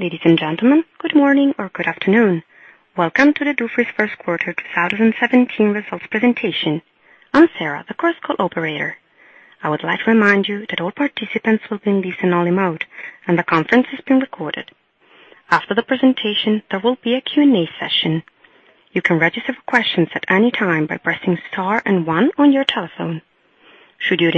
Ladies and gentlemen, good morning or good afternoon. Welcome to the Dufry's first quarter 2017 results presentation. I'm Sarah, the Chorus Call operator. I would like to remind you that all participants will be in listen only mode, and the conference is being recorded. After the presentation, there will be a Q&A session. You can register for questions at any time by pressing Star and One on your telephone. Should you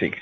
need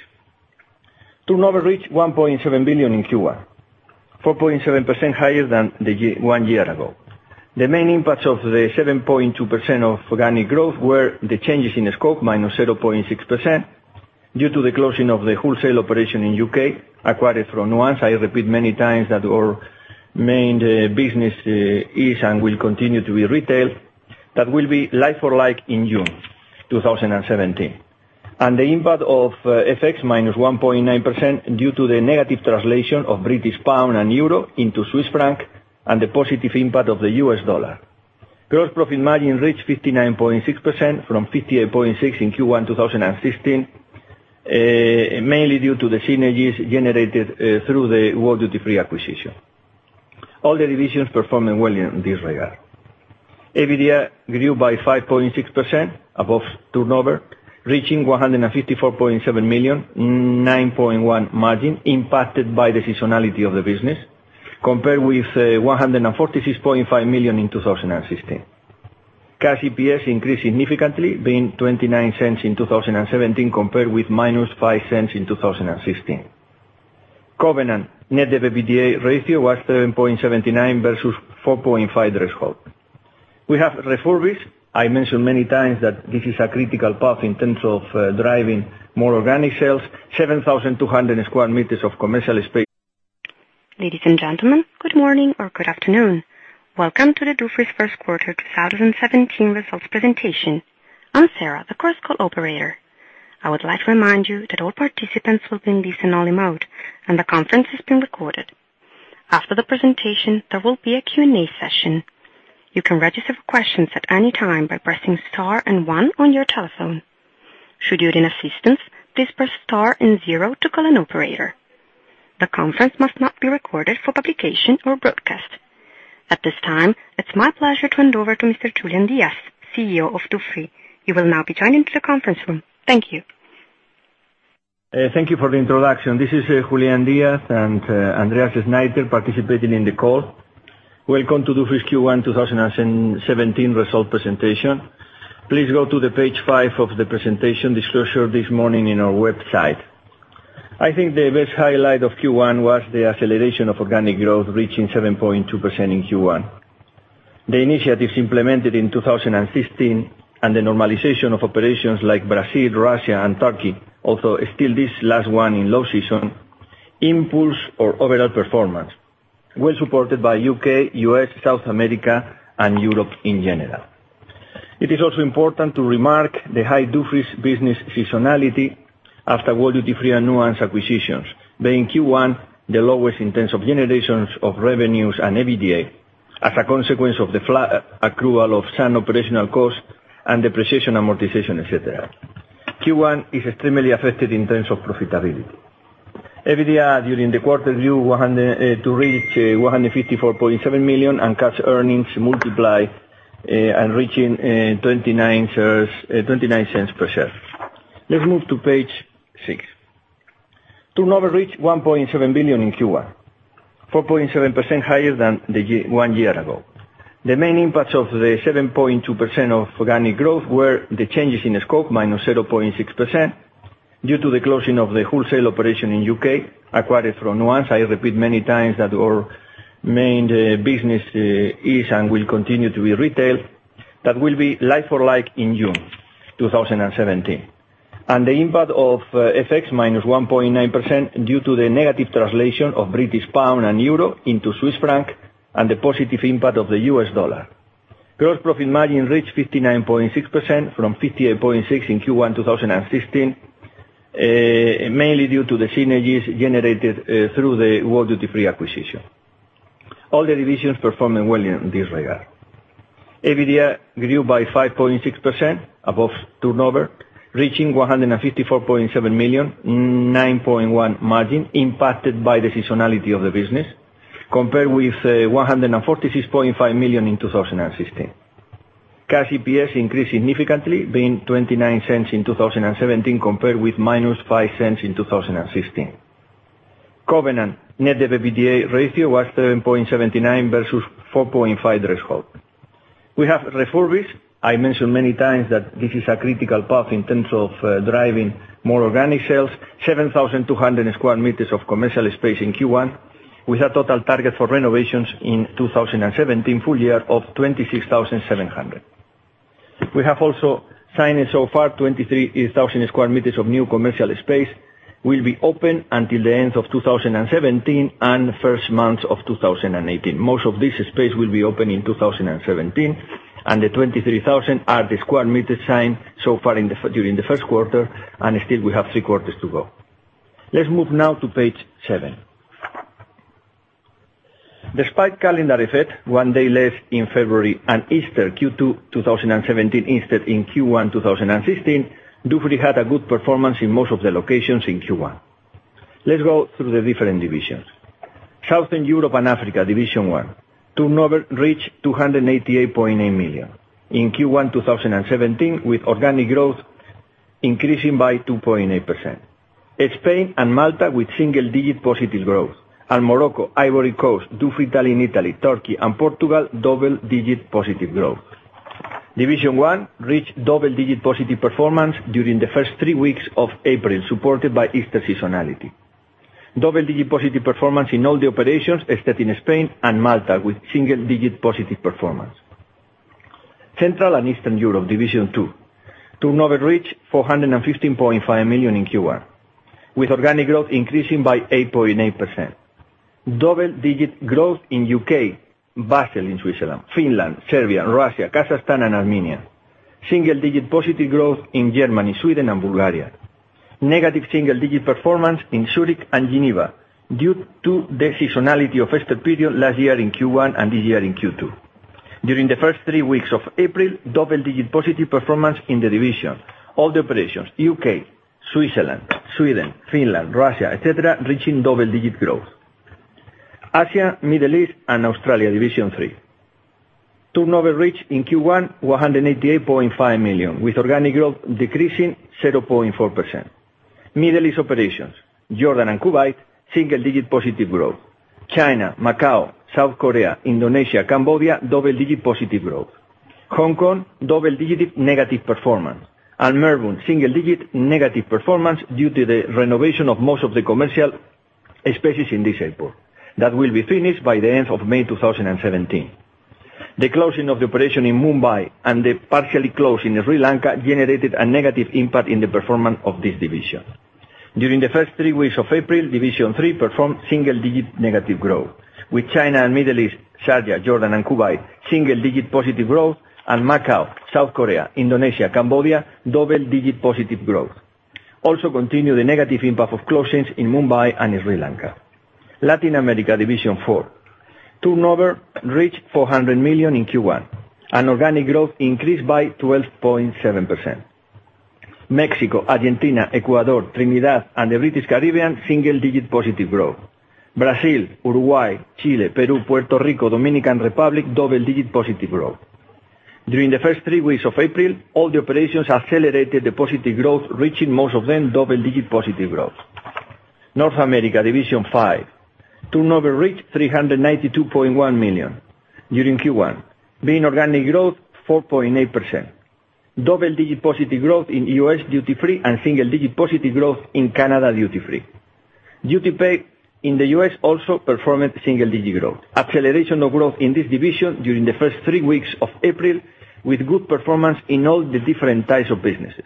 assistance, please press Star and Zero to call an operator. The conference must not be recorded for publication or broadcast. At this time, it's my pleasure to hand over to Mr. Julián Díaz, CEO of Dufry. You will now be joined into the conference room. Thank you. Thank you for the introduction. This is Julián Díaz and Andreas Schneiter participating in the call. Welcome to Dufry's Q1 2017 result presentation. Please go to page five of the presentation disclosure this morning in our website. I think the best highlight of Q1 was the acceleration of organic growth, reaching 7.2% in Q1. The initiatives implemented in 2016 and the normalization of operations like Brazil, Russia, and Turkey, although still this last one in low season, impulse our overall performance, was supported by U.K., U.S., South America, and Europe in general. It is also important to remark the high Dufry's business seasonality after World Duty Free and The Nuance Group acquisitions, being Q1 the lowest in terms of generations of revenues and EBITDA, as a consequence of the flat accrual of standard operational costs and the depreciation amortization, et cetera. Q1 is extremely affected in terms of profitability. EBITDA during the quarter grew to reach 154.7 million and cash earnings multiply and reaching 0.29 per share. Let's move to page six. Turnover reached 1.7 billion in Q1, 4.7% higher than one year ago. The main impacts of the 7.2% of organic growth were the changes in the scope, -0.6%, due to the closing of the wholesale operation in U.K. acquired from The Nuance Group. I repeat many times that our main business is and will continue to be retail. That will be like-for-like in June 2017. The impact of FX, -1.9%, due to the negative translation of GBP and EUR into CHF and the positive impact of the U.S. dollar. Gross profit margin reached 59.6% from 58.6% in Q1 2016, mainly due to the synergies generated through the World Duty Free acquisition. All the divisions performing well in this regard. EBITDA grew by 5.6% above turnover, reaching 154.7 million, 9.1% margin impacted by the seasonality of the business, compared with 146.5 million in 2016. We have also signed so far 23,000 square meters of new commercial space will be open until the end of 2017 and first months of 2018. Most of this space will be open in 2017, and the 23,000 are the square meters signed so far during the first quarter, and still we have three quarters to go. Let's move now to page seven. Despite calendar effect, one day less in February and Easter Q2 2017 instead in Q1 2016, Dufry had a good performance in most of the locations in Q1. Let's go through the different divisions. Southern Europe and Africa, division 1. Turnover reached 288.8 million in Q1 2017, with organic growth increasing by 2.8%. Spain and Malta with single-digit positive growth. Morocco, Ivory Coast, Dufry Italy in Italy, Turkey and Portugal, double-digit positive growth. Division 1 reached double-digit positive performance during the first three weeks of April, supported by Easter seasonality. Double-digit positive performance in all the operations, except in Spain and Malta, with single-digit positive performance. Central and Eastern Europe, division 2. Turnover reached 415.5 million in Q1, with organic growth increasing by 8.8%. Double-digit growth in U.K., Basel in Switzerland, Finland, Serbia, Russia, Kazakhstan and Armenia. Single-digit positive growth in Germany, Sweden and Bulgaria. Negative single-digit performance in Zurich and Geneva due to the seasonality of Easter period last year in Q1 and this year in Q2. During the first three weeks of April, double-digit positive performance in the division. All the operations, U.K., Switzerland, Sweden, Finland, Russia, et cetera, reaching double-digit growth. Asia, Middle East and Australia, division 3. Turnover reached in Q1 188.5 million, with organic growth decreasing 0.4%. Middle East operations, Jordan and Kuwait, single-digit positive growth. China, Macau, South Korea, Indonesia, Cambodia, double-digit positive growth. Hong Kong, double-digit negative performance, and Melbourne, single-digit negative performance due to the renovation of most of the commercial spaces in this airport. That will be finished by the end of May 2017. The closing of the operation in Mumbai and the partially close in Sri Lanka generated a negative impact in the performance of this division. During the first three weeks of April, division 3 performed single-digit negative growth, with China and Middle East, Sharjah, Jordan and Kuwait, single-digit positive growth and Macau, South Korea, Indonesia, Cambodia, double-digit positive growth. Also continue the negative impact of closings in Mumbai and Sri Lanka. Latin America, division 4. Turnover reached 400 million in Q1, and organic growth increased by 12.7%. Mexico, Argentina, Ecuador, Trinidad and the British Caribbean, single-digit positive growth. Brazil, Uruguay, Chile, Peru, Puerto Rico, Dominican Republic, double-digit positive growth. During the first three weeks of April, all the operations accelerated the positive growth, reaching most of them double-digit positive growth. North America, division 5. Turnover reached 392.1 million during Q1, being organic growth 4.8%. Double-digit positive growth in U.S. Duty Free and single-digit positive growth in Canada Duty Free. Duty paid in the U.S. also performed single-digit growth. Acceleration of growth in this division during the first three weeks of April, with good performance in all the different types of businesses.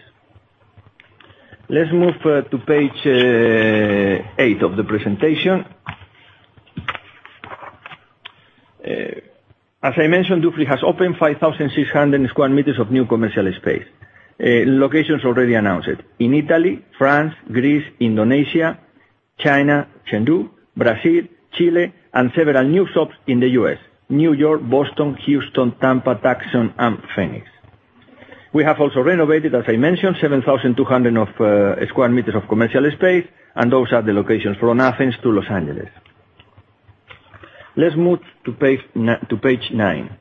Let's move to page eight of the presentation. As I mentioned, Dufry has opened 5,600 sq m of new commercial space. Locations already announced in Italy, France, Greece, Indonesia, China, Chengdu, Brazil, Chile, and several new shops in the U.S., New York, Boston, Houston, Tampa, Tucson and Phoenix. We have also renovated, as I mentioned, 7,200 sq m of commercial space, and those are the locations from Athens to Los Angeles. Let's move to page nine.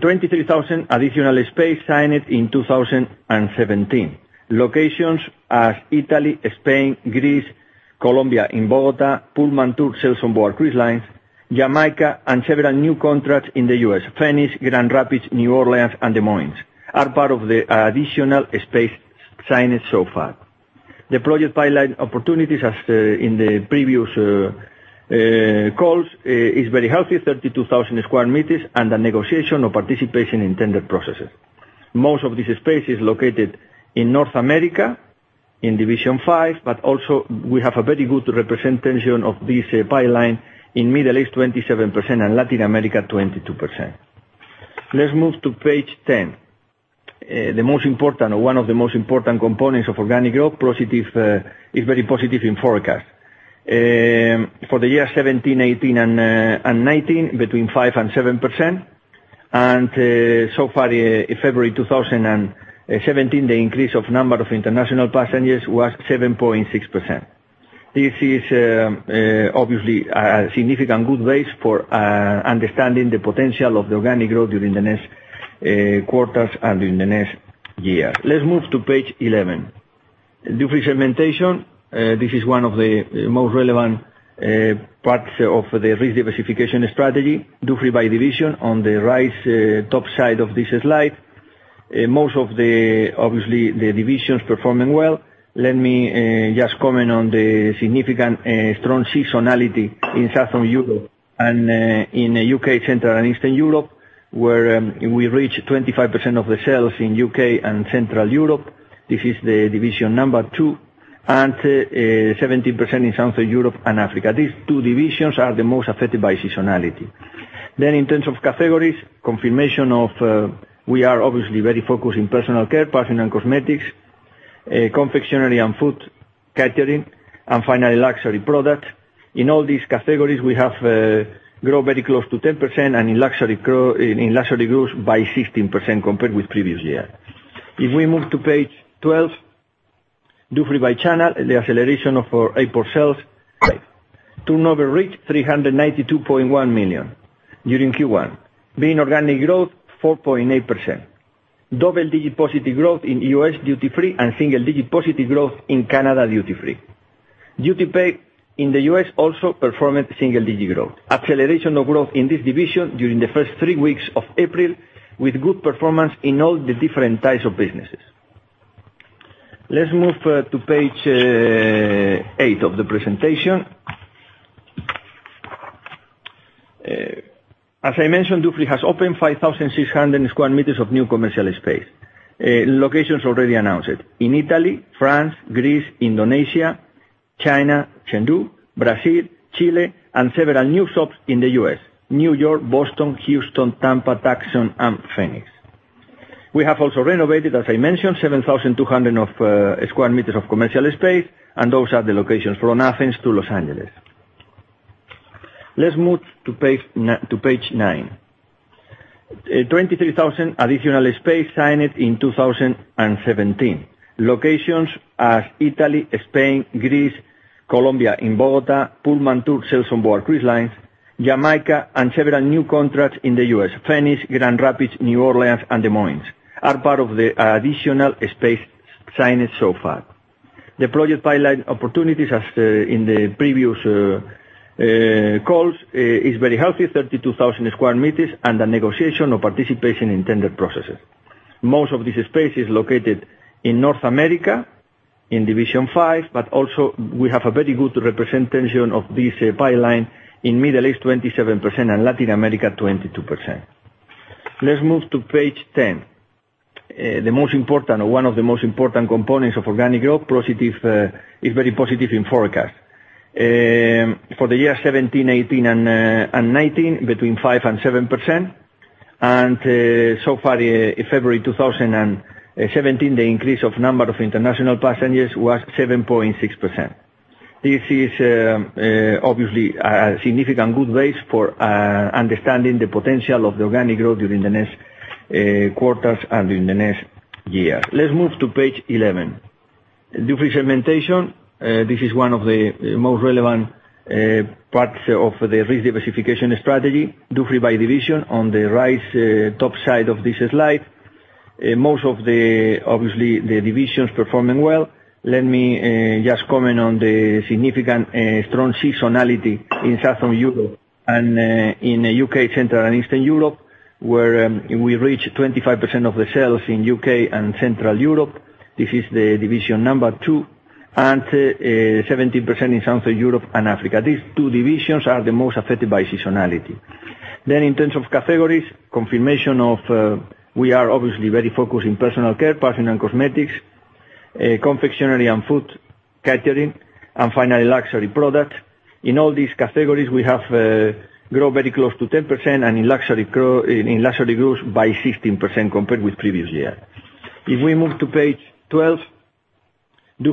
23,000 additional space signed in 2017. Locations are Italy, Spain, Greece, Colombia in Bogota, Pullmantur sales on board cruise lines, Jamaica, and several new contracts in the U.S. Phoenix, Grand Rapids, New Orleans, and Des Moines are part of the additional space signed so far. The project pipeline opportunities, as in the previous For the year 2017, 2018, and 2019, between 5% and 7%. So far, in February 2017, the increase of number of international passengers was 7.6%. This is obviously a significant good base for understanding the potential of the organic growth during the next quarters and in the next year. We move to page 11. Duty free segmentation. This is one of the most relevant parts of the risk diversification strategy, duty free by division, on the right top side of this slide. Most of the divisions performing well. Let me just comment on the significant strong seasonality in Southern Europe and in U.K., Central and Eastern Europe, where we reach 25% of the sales in U.K. and Central Europe. This is the division number 2, and 17% in Southern Europe and Africa. These two divisions are the most affected by seasonality. In terms of categories, confirmation of we are obviously very focused in personal care, perfume and cosmetics, confectionery and food, catering and finally, luxury product. In all these categories, we have grown very close to 10%, and in luxury goods by 16% compared with previous year. We move to page 12, duty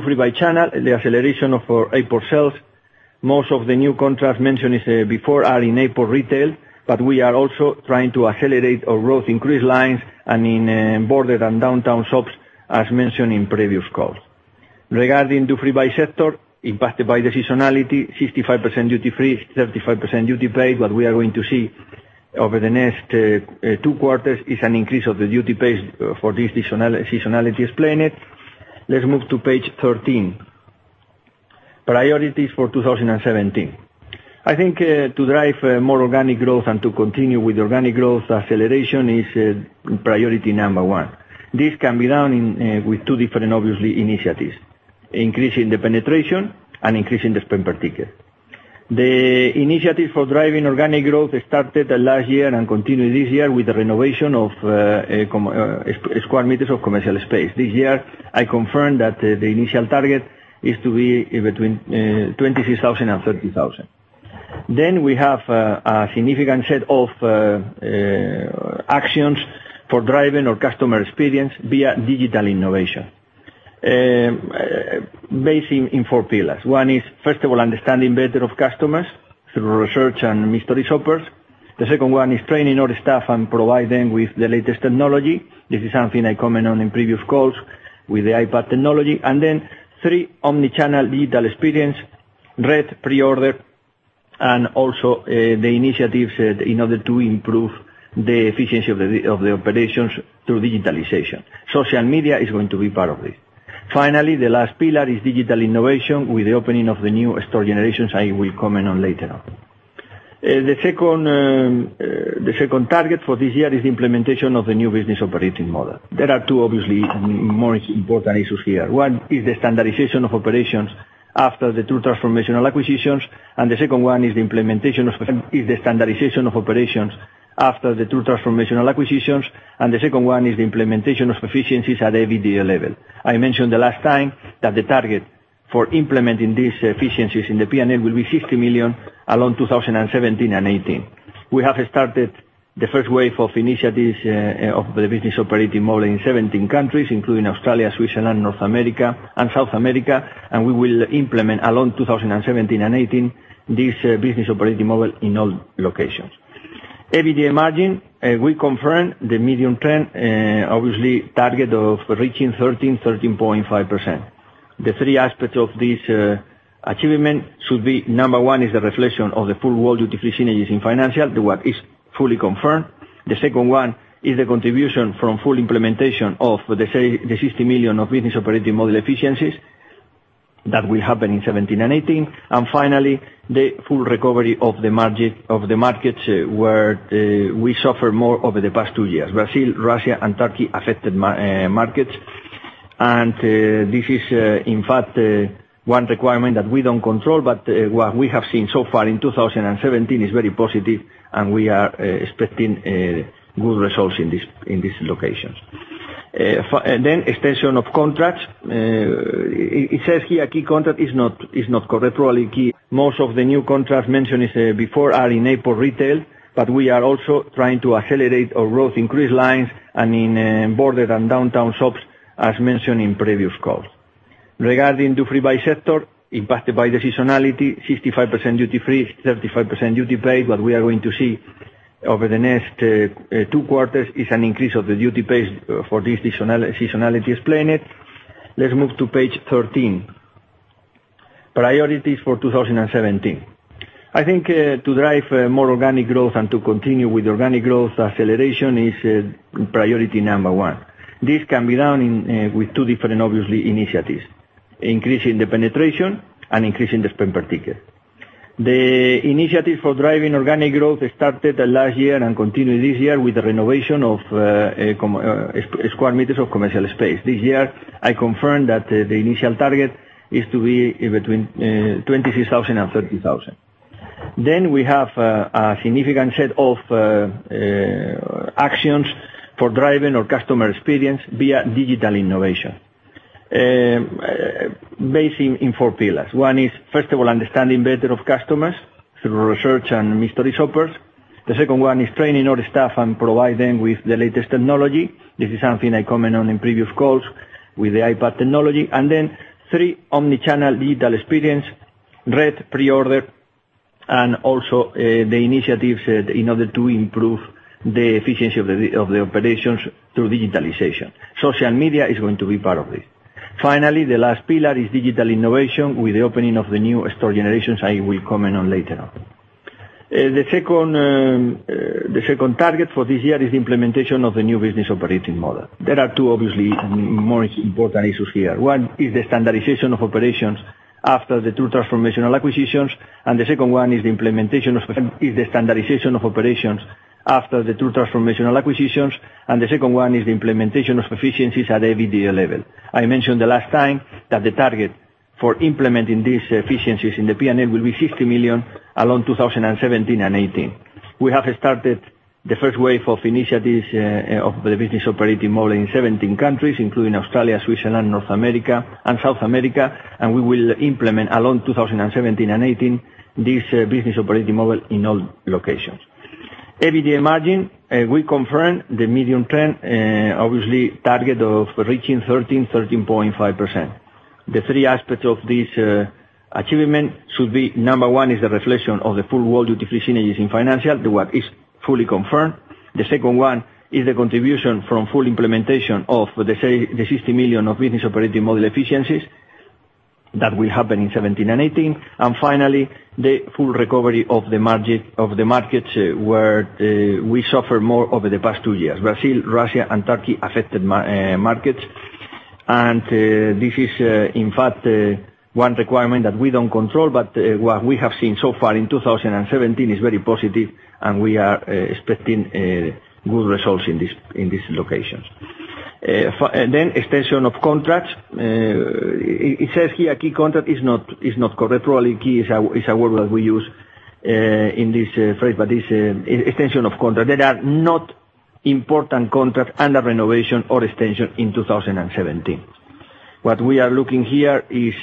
free by channel, the acceleration of our airport sales. Most of the new contracts mentioned before are in airport retail, but we are also trying to accelerate our growth in cruise lines and in border and downtown shops as mentioned in previous calls. Regarding duty free by sector, increasing the penetration and increasing the spend per ticket. The initiative for driving organic growth started last year and continued this year with the renovation of sq m of commercial space. This year, I confirmed that the initial target is to be between 23,000 sq m and 30,000 sq m. We have a significant set of actions for driving our customer experience via digital innovation, based in four pillars. One is, first of all, understanding better of customers through research and mystery shoppers. The second one is training all the staff and provide them with the latest technology. This is something I commented on in previous calls with the iPad technology. Three, omni-channel digital experience, Reserve & Collect pre-order, and also the initiatives in order to improve the efficiency of the operations through digitalization. Social media is going to be part of this. Finally, the last pillar is digital innovation with the opening of the new store generations. I will comment on later on. The second target for this year is the implementation of the new business operating model. There are two, obviously, more important issues here. One is the standardization of operations after the two transformational acquisitions. The second one is the implementation of efficiencies at EBITDA level. I mentioned the last time that the target for implementing these efficiencies in the P&L will be 60 million along 2017 and 2018. We have started the first wave of initiatives of the business operating model in 17 countries, including Australia, Switzerland, North America, and South America. We will implement along 2017 and 2018 this business operating model in all locations. EBITDA margin, we confirm the medium trend, obviously target of reaching 13.5%. The three aspects of this achievement should be, number one is the reflection of the full-year duty-free synergies in financial, that one is fully confirmed. The second one is the contribution from full implementation of the 60 million of business operating model efficiencies. That will happen in 2017 and 2018. Finally, the full recovery of the markets where we suffer more over the past two years. Brazil, Russia, and Turkey-affected markets. This is, in fact, one requirement that we don't control, but what we have seen so far in 2017 is very positive, and we are expecting good results in these locations. Extension of contracts. It says here a key contract. It is not correct. Probably key is a word that we use in this phrase, but this extension of contract that are not important contract under renovation or extension in 2017. What we are looking here is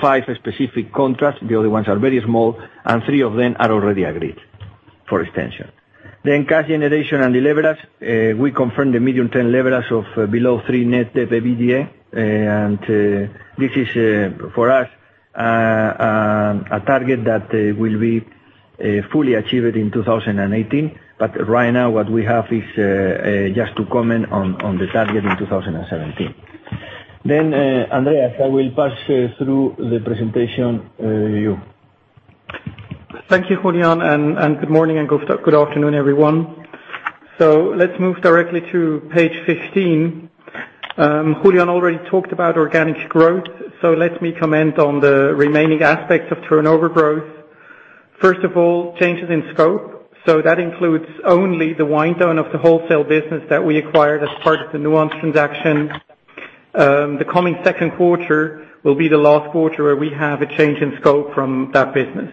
five specific contracts. The other ones are very small, and three of them are already agreed for extension. Cash generation and the leverage. We confirm the medium-term leverage of below three net debt EBITDA, and this is, for us, a target that will be fully achieved in 2018. Right now what we have is just to comment on the target in 2017. Andreas, I will pass through the presentation to you. Thank you, Julián, and good morning and good afternoon, everyone. Let's move directly to page 15. Julián already talked about organic growth. Let me comment on the remaining aspects of turnover growth. First of all, changes in scope. That includes only the wind down of the wholesale business that we acquired as part of the Nuance transaction. The coming second quarter will be the last quarter where we have a change in scope from that business.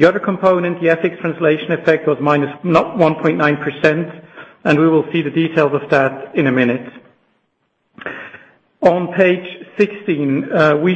The other component, the FX translation effect, was minus 1.9%, and we will see the details of that in a minute. On page 16, we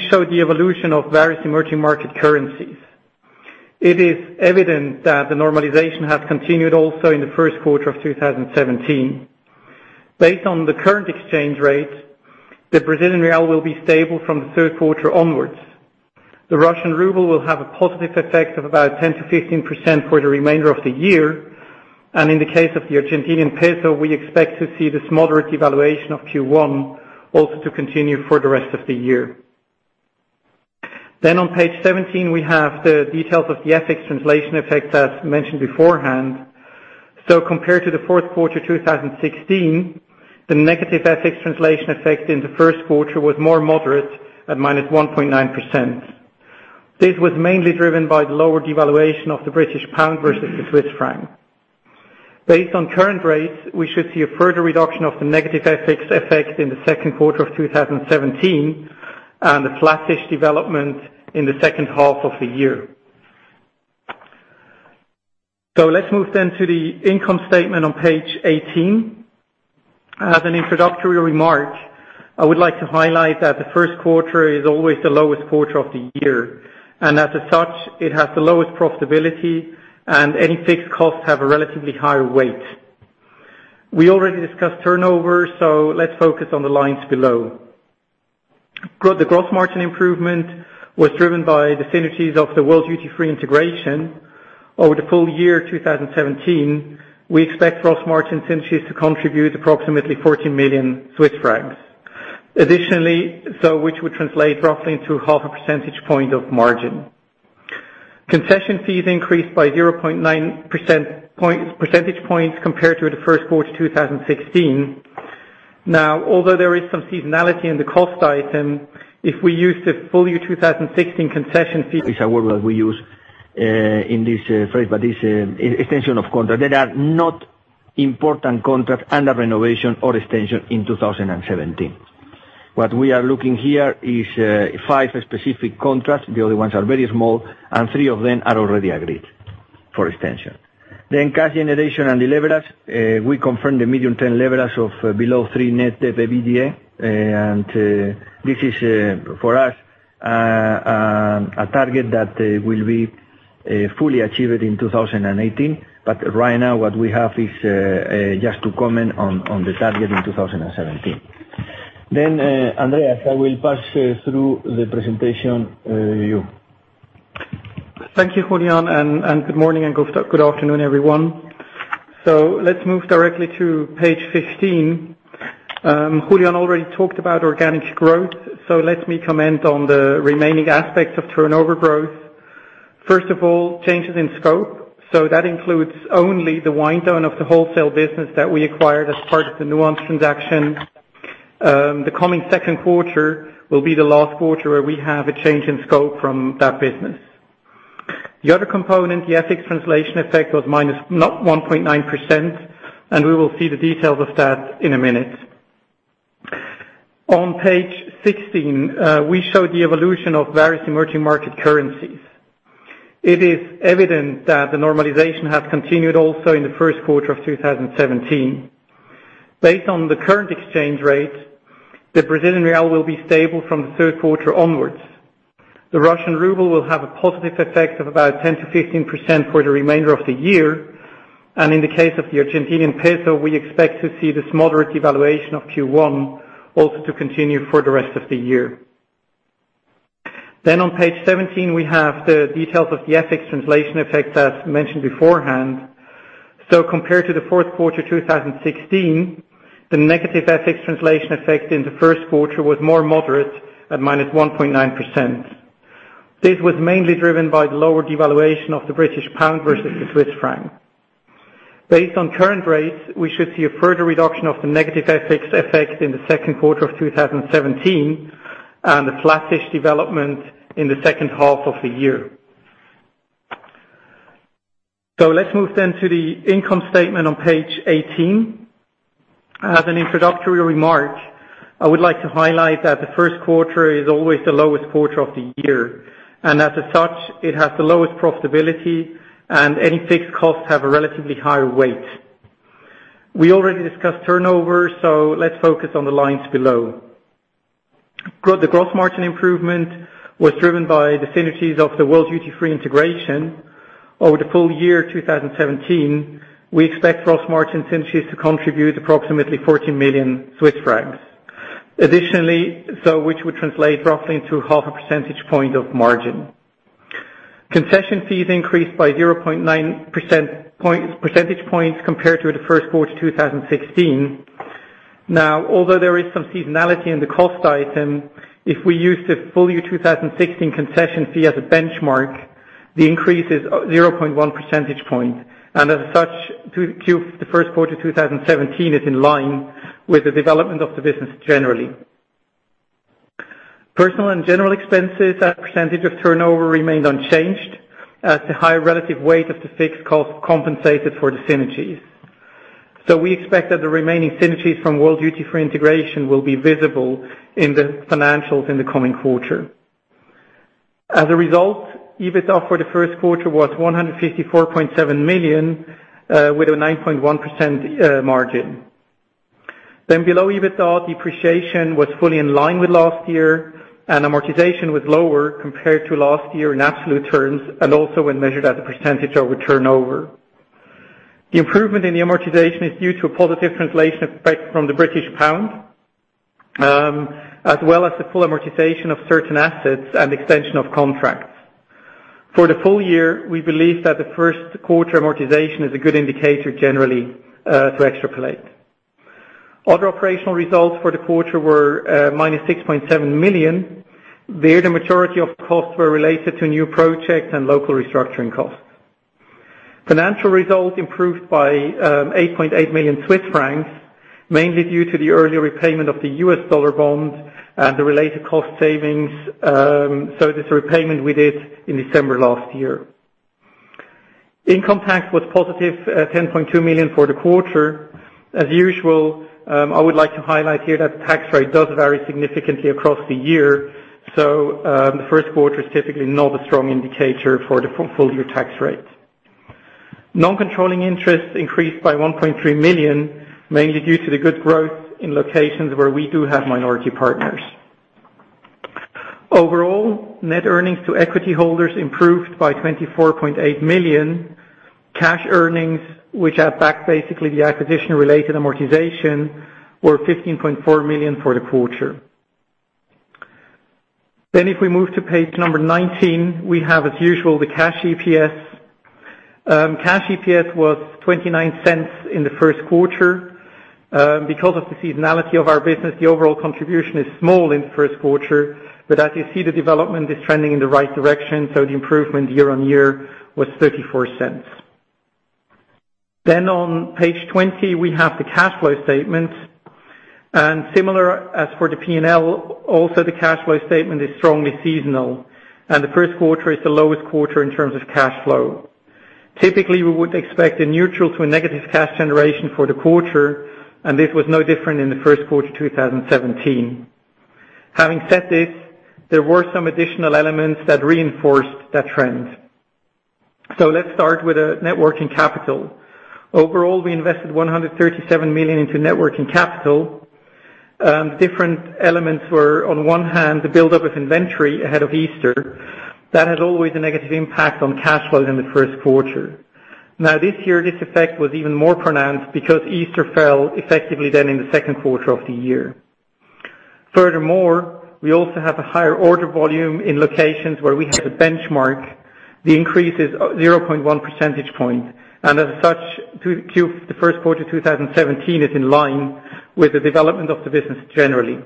show the evolution of various emerging market currencies. It is evident that the normalization has continued also in the first quarter of 2017. Based on the current exchange rate, the Brazilian real will be stable from the third quarter onwards. The Russian ruble will have a positive effect of about 10%-15% for the remainder of the year. In the case of the Argentinian peso, we expect to see this moderate devaluation of Q1 also to continue for the rest of the year. On page 17, we have the details of the FX translation effect, as mentioned beforehand. Compared to the fourth quarter 2016, the negative FX translation effect in the first quarter was more moderate at -1.9%. This was mainly driven by the lower devaluation of the British pound versus the Swiss franc. Based on current rates, we should see a further reduction of the negative FX effect in the second quarter of 2017, and a flattish development in the second half of the year. Let's move then to the income statement on page 18. As an introductory remark, I would like to highlight that the first quarter is always the lowest quarter of the year, and as such, it has the lowest profitability and any fixed costs have a relatively higher weight. We already discussed turnover, let's focus on the lines below. The gross margin improvement was driven by the synergies of the World Duty Free integration. Over the full year 2017, and as such, the first quarter 2017 is in line with the development of the business generally. Personal and general expenses as a percentage of turnover remained unchanged as the higher relative weight of the fixed cost compensated for the synergies. We expect that the remaining synergies from World Duty Free integration will be visible in the financials in the coming quarter. As a result, EBITDA for the first quarter was 154.7 million, with a 9.1% margin. Below EBITDA, depreciation was fully in line with last year, and amortization was lower compared to last year in absolute terms, and also when measured as a percentage over turnover. The improvement in the amortization is due to a positive translation effect from the British pound, as well as the full amortization of certain assets and extension of contracts. For the full year, we believe that the first quarter amortization is a good indicator generally to extrapolate. Other operational results for the quarter were minus 6.7 million. There the majority of costs were related to new projects and local restructuring costs. Financial results improved by 8.8 million Swiss francs, mainly due to the earlier repayment of the US dollar bond and the related cost savings. That's the repayment we did in December last year. Income tax was positive 10.2 million for the quarter. As usual, I would like to highlight here that the tax rate does vary significantly across the year. The first quarter is typically not a strong indicator for the full year tax rate. Non-controlling interests increased by 1.3 million, mainly due to the good growth in locations where we do have minority partners. Overall, net earnings to equity holders improved by 24.8 million. Cash earnings, which add back basically the acquisition-related amortization, were 15.4 million for the quarter. If we move to page number 19, we have, as usual, the cash EPS. Cash EPS was 0.29 in the first quarter. Because of the seasonality of our business, the overall contribution is small in the first quarter, but as you see, the development is trending in the right direction. The improvement year on year was 0.34. On page 20, we have the cash flow statement. Similar as for the P&L, also the cash flow statement is strongly seasonal, and the first quarter is the lowest quarter in terms of cash flow. Typically, we would expect a neutral to a negative cash generation for the quarter, and this was no different in the first quarter 2017. Having said this, there were some additional elements that reinforced that trend. Let's start with net working capital. Overall, we invested 137 million into net working capital. Different elements were, on one hand, the buildup of inventory ahead of Easter. That has always a negative impact on cash flow in the first quarter. Now, this year, this effect was even more pronounced because Easter fell effectively in the second quarter of the year. Furthermore, we also have a higher order volume in locations where we have a benchmark. The increase is 0.1 percentage point, and as such, the first quarter 2017 is in line with the development of the business generally.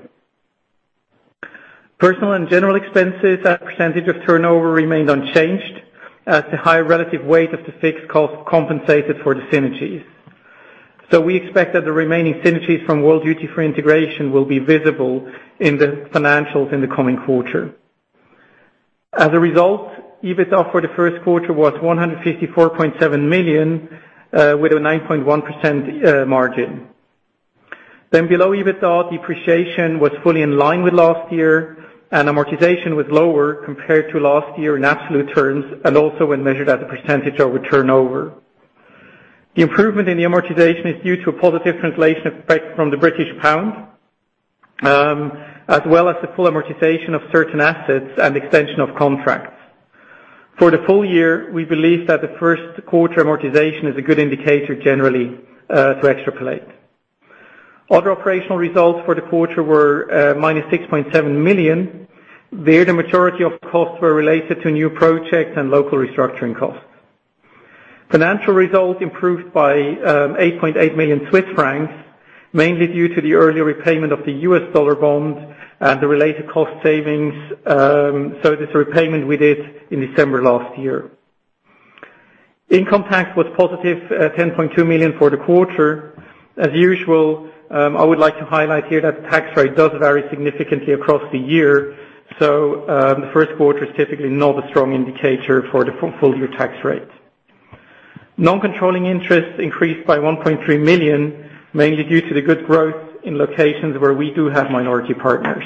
Personal and general expenses as a percentage of turnover remained unchanged as the higher relative weight of the fixed cost compensated for the synergies. We expect that the remaining synergies from World Duty Free integration will be visible in the financials in the coming quarter. As a result, EBITDA for the first quarter was 154.7 million, with a 9.1% margin. Below EBITDA, depreciation was fully in line with last year, and amortization was lower compared to last year in absolute terms, and also when measured as a percentage over turnover. The improvement in the amortization is due to a positive translation effect from the British pound, as well as the full amortization of certain assets and extension of contracts. For the full year, we believe that the first quarter amortization is a good indicator generally to extrapolate. Other operational results for the quarter were minus 6.7 million, where the majority of costs were related to new projects and local restructuring costs. Financial results improved by 8.8 million Swiss francs, mainly due to the earlier repayment of the US dollar bond and the related cost savings. That's the repayment we did in December last year. Income tax was positive 10.2 million for the quarter. As usual, I would like to highlight here that the tax rate does vary significantly across the year. The first quarter is typically not a strong indicator for the full-year tax rate. Non-controlling interests increased by 1.3 million, mainly due to the good growth in locations where we do have minority partners.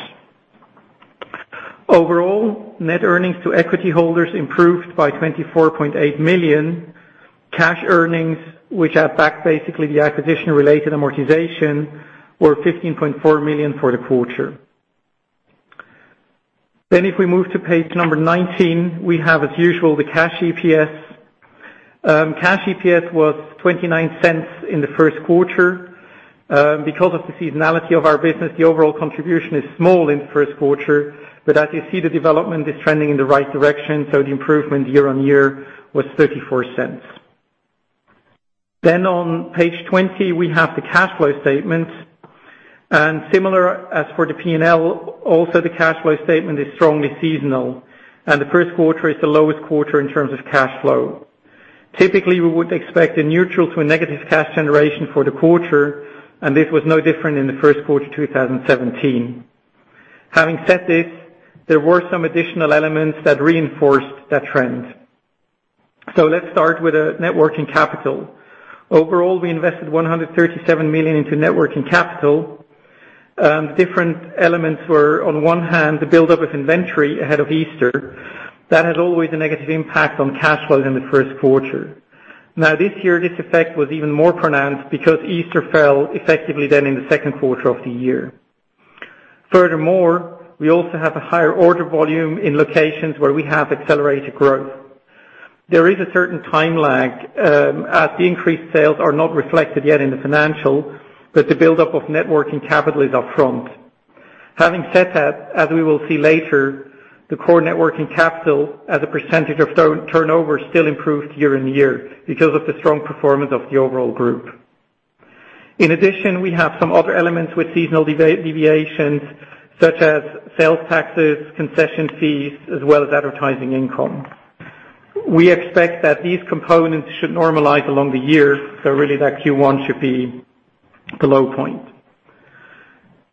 Overall, net earnings to equity holders improved by 24.8 million. Cash earnings, which have backed basically the acquisition-related amortization, were 15.4 million for the quarter. If we move to page 19, we have, as usual, the Cash EPS. Cash EPS was 0.29 in the first quarter. Because of the seasonality of our business, the overall contribution is small in the first quarter, but as you see, the development is trending in the right direction, the improvement year-on-year was 0.34. On page 20, we have the cash flow statement. Similar as for the P&L, also the cash flow statement is strongly seasonal, and the first quarter is the lowest quarter in terms of cash flow. Typically, we would expect a neutral to a negative cash generation for the quarter, and this was no different in the first quarter 2017. Having said this, there were some additional elements that reinforced that trend. Let's start with networking capital. Overall, we invested 137 million into networking capital. Different elements were, on one hand, the buildup of inventory ahead of Easter. That has always a negative impact on cash flow in the first quarter. This year, this effect was even more pronounced because Easter fell effectively then in the second quarter of the year. We also have a higher order volume in locations where we have accelerated growth. There is a certain time lag, as the increased sales are not reflected yet in the financial, but the buildup of networking capital is up front. Having said that, as we will see later, the core net working capital as a percentage of turnover still improved year-on-year because of the strong performance of the overall group. We have some other elements with seasonal deviations, such as sales taxes, concession fees, as well as advertising income. We expect that these components should normalize along the year, that Q1 should be the low point.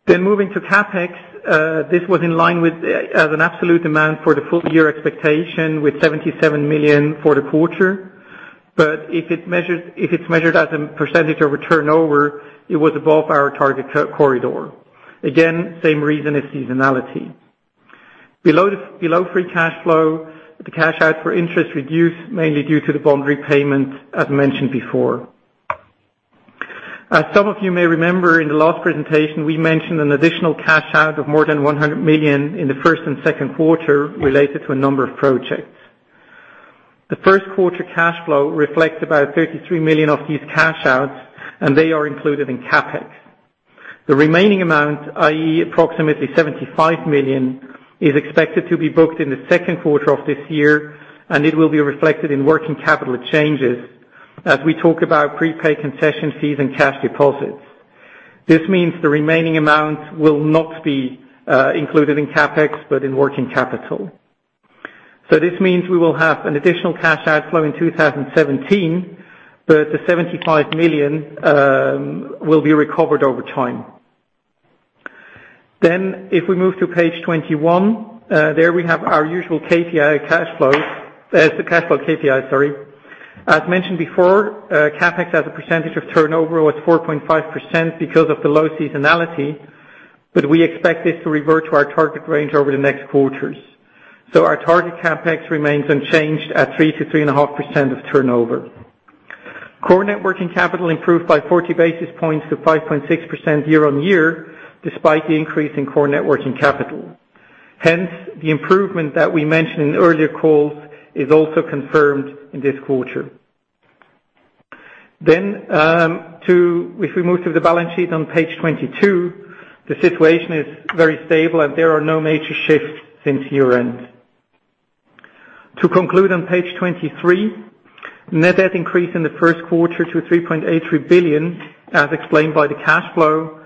Moving to CapEx, this was in line with an absolute demand for the full year expectation with 77 million for the quarter. If it's measured as a percentage of turnover, it was above our target corridor. Same reason as seasonality. Below free cash flow, the cash out for interest reduced mainly due to the bond repayment, as mentioned before. Some of you may remember in the last presentation, we mentioned an additional cash out of more than 100 million in the first and second quarter related to a number of projects. The first quarter cash flow reflects about 33 million of these cash outs, and they are included in CapEx. The remaining amount, i.e., approximately 75 million, is expected to be booked in the second quarter of this year, and it will be reflected in working capital changes as we talk about prepaid concession fees and cash deposits. This means the remaining amount will not be included in CapEx, but in working capital. This means we will have an additional cash outflow in 2017, but the 75 million will be recovered over time. If we move to page 21, there we have our usual KPI cash flow. Mentioned before, CapEx as a percentage of turnover was 4.5% because of the low seasonality, but we expect this to revert to our target range over the next quarters. Our target CapEx remains unchanged at 3%-3.5% of turnover. Core net working capital improved by 40 basis points to 5.6% year-on-year, despite the increase in core net working capital. The improvement that we mentioned in earlier calls is also confirmed in this quarter. If we move to the balance sheet on page 22, the situation is very stable and there are no major shifts since year-end. To conclude on page 23, net debt increased in the first quarter to 3.83 billion, as explained by the cash flow.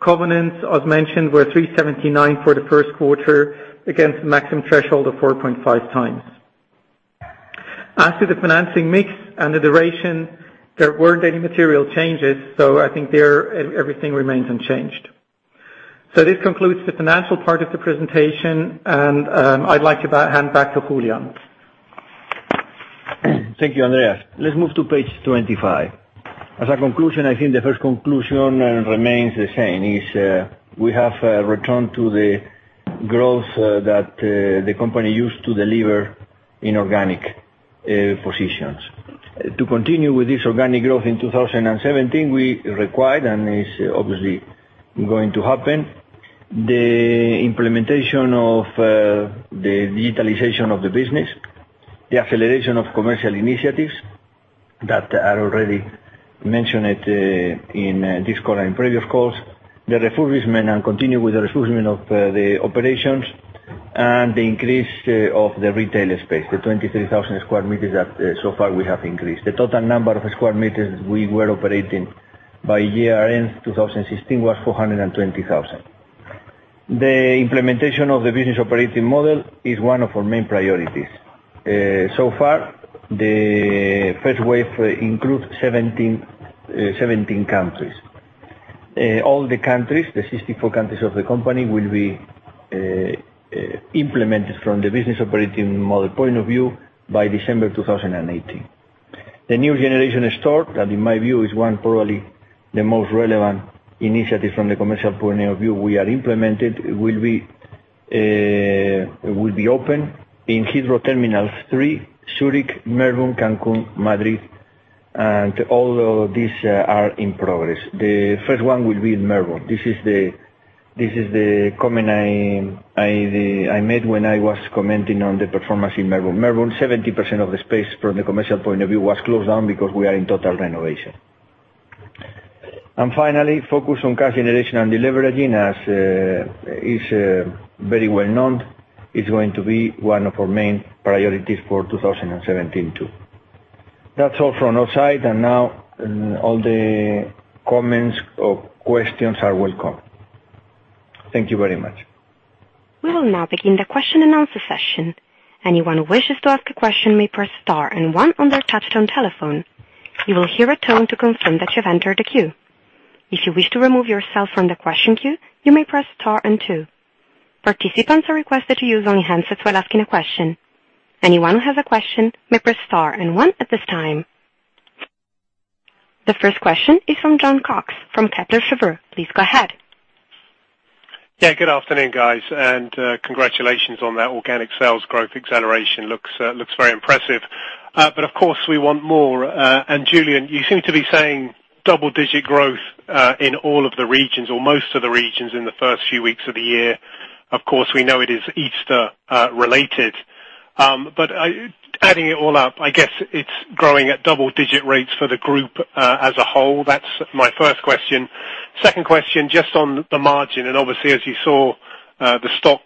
Covenants, as mentioned, were 3.79 for the first quarter against the maximum threshold of 4.5 times. To the financing mix and the duration, there weren't any material changes, I think there everything remains unchanged. This concludes the financial part of the presentation, and I'd like to hand back to Julián. Thank you, Andreas. Let's move to page 25. We have returned to the growth that the company used to deliver in organic positions. To continue with this organic growth in 2017, we required, and it's obviously going to happen, the implementation of the Digitalization of the Business, the acceleration of commercial initiatives that are already mentioned in this call and previous calls, the refurbishment and continue with the refurbishment of the operations, and the increase of the retail space, the 23,000 sq m that so far we have increased. The total number of sq m we were operating by year-end 2016 was 420,000. The implementation of the Business Operating Model is one of our main priorities. So far, the first wave includes 17 countries. All the countries, the 64 countries of the company, will be implemented from the Business Operating Model point of view by December 2018. The New Generation Store, that in my view, is one probably the most relevant initiative from the commercial point of view we are implemented, will be open in Heathrow Terminal 3, Zurich, Melbourne, Cancun, Madrid, and all of these are in progress. The first one will be in Melbourne. This is the comment I made when I was commenting on the performance in Melbourne. Melbourne, 70% of the space from the commercial point of view was closed down because we are in total renovation. Finally, focus on cash generation and deleveraging as is very well-known, is going to be one of our main priorities for 2017 too. That's all from Thank you very much. We will now begin the question and answer session. Anyone who wishes to ask a question may press star and one on their touch-tone telephone. You will hear a tone to confirm that you've entered a queue. If you wish to remove yourself from the question queue, you may press star and two. Participants are requested to use only handsets while asking a question. Anyone who has a question may press star and one at this time. The first question is from Jon Cox from Kepler Cheuvreux. Please go ahead. Good afternoon, guys. Congratulations on that organic sales growth acceleration. Looks very impressive. Of course, we want more. Julián, you seem to be saying double-digit growth in all of the regions or most of the regions in the first few weeks of the year. Of course, we know it is Easter-related. Adding it all up, I guess it's growing at double-digit rates for the group as a whole. That's my first question. Second question, just on the margin, and obviously as you saw the stock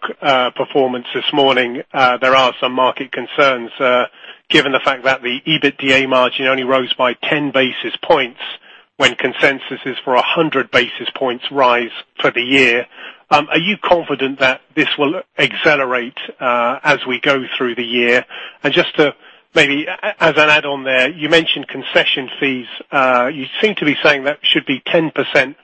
performance this morning, there are some market concerns. Given the fact that the EBITDA margin only rose by 10 basis points when consensus is for 100 basis points rise for the year, are you confident that this will accelerate as we go through the year? Just to maybe as an add-on there, you mentioned concession fees. You seem to be saying that should be 10%,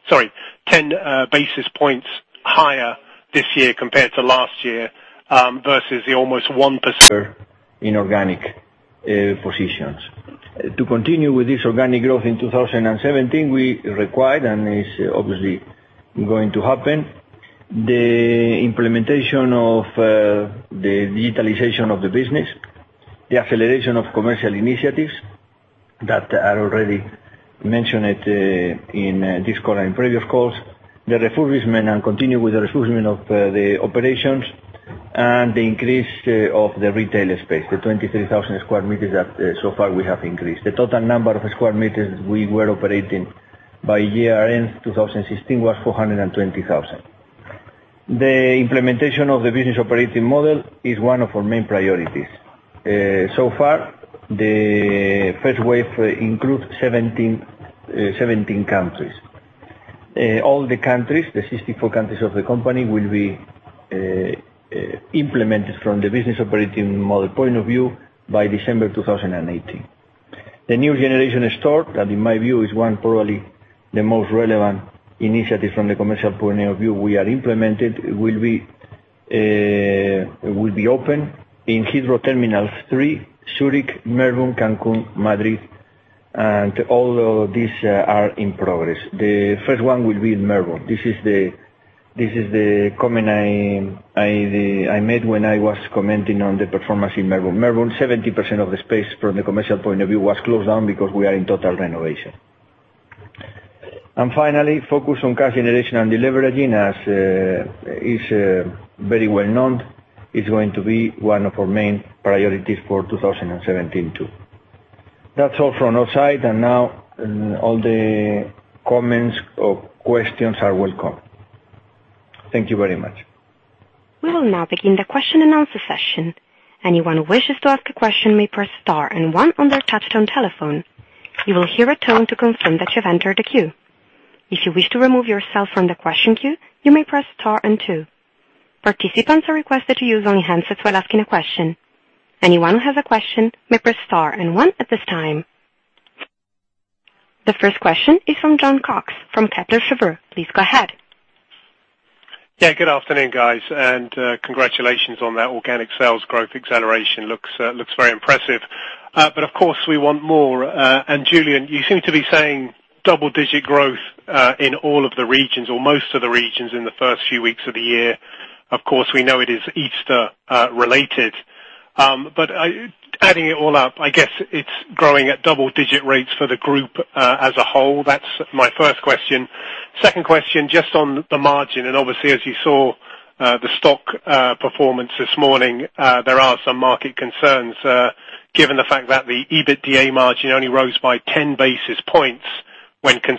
sorry, 10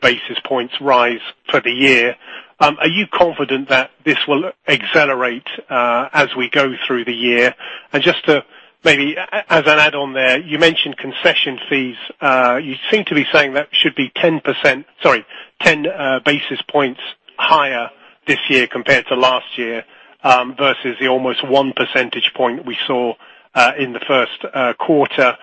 basis points higher this year compared to last year, versus the almost one percentage point we saw in the first quarter.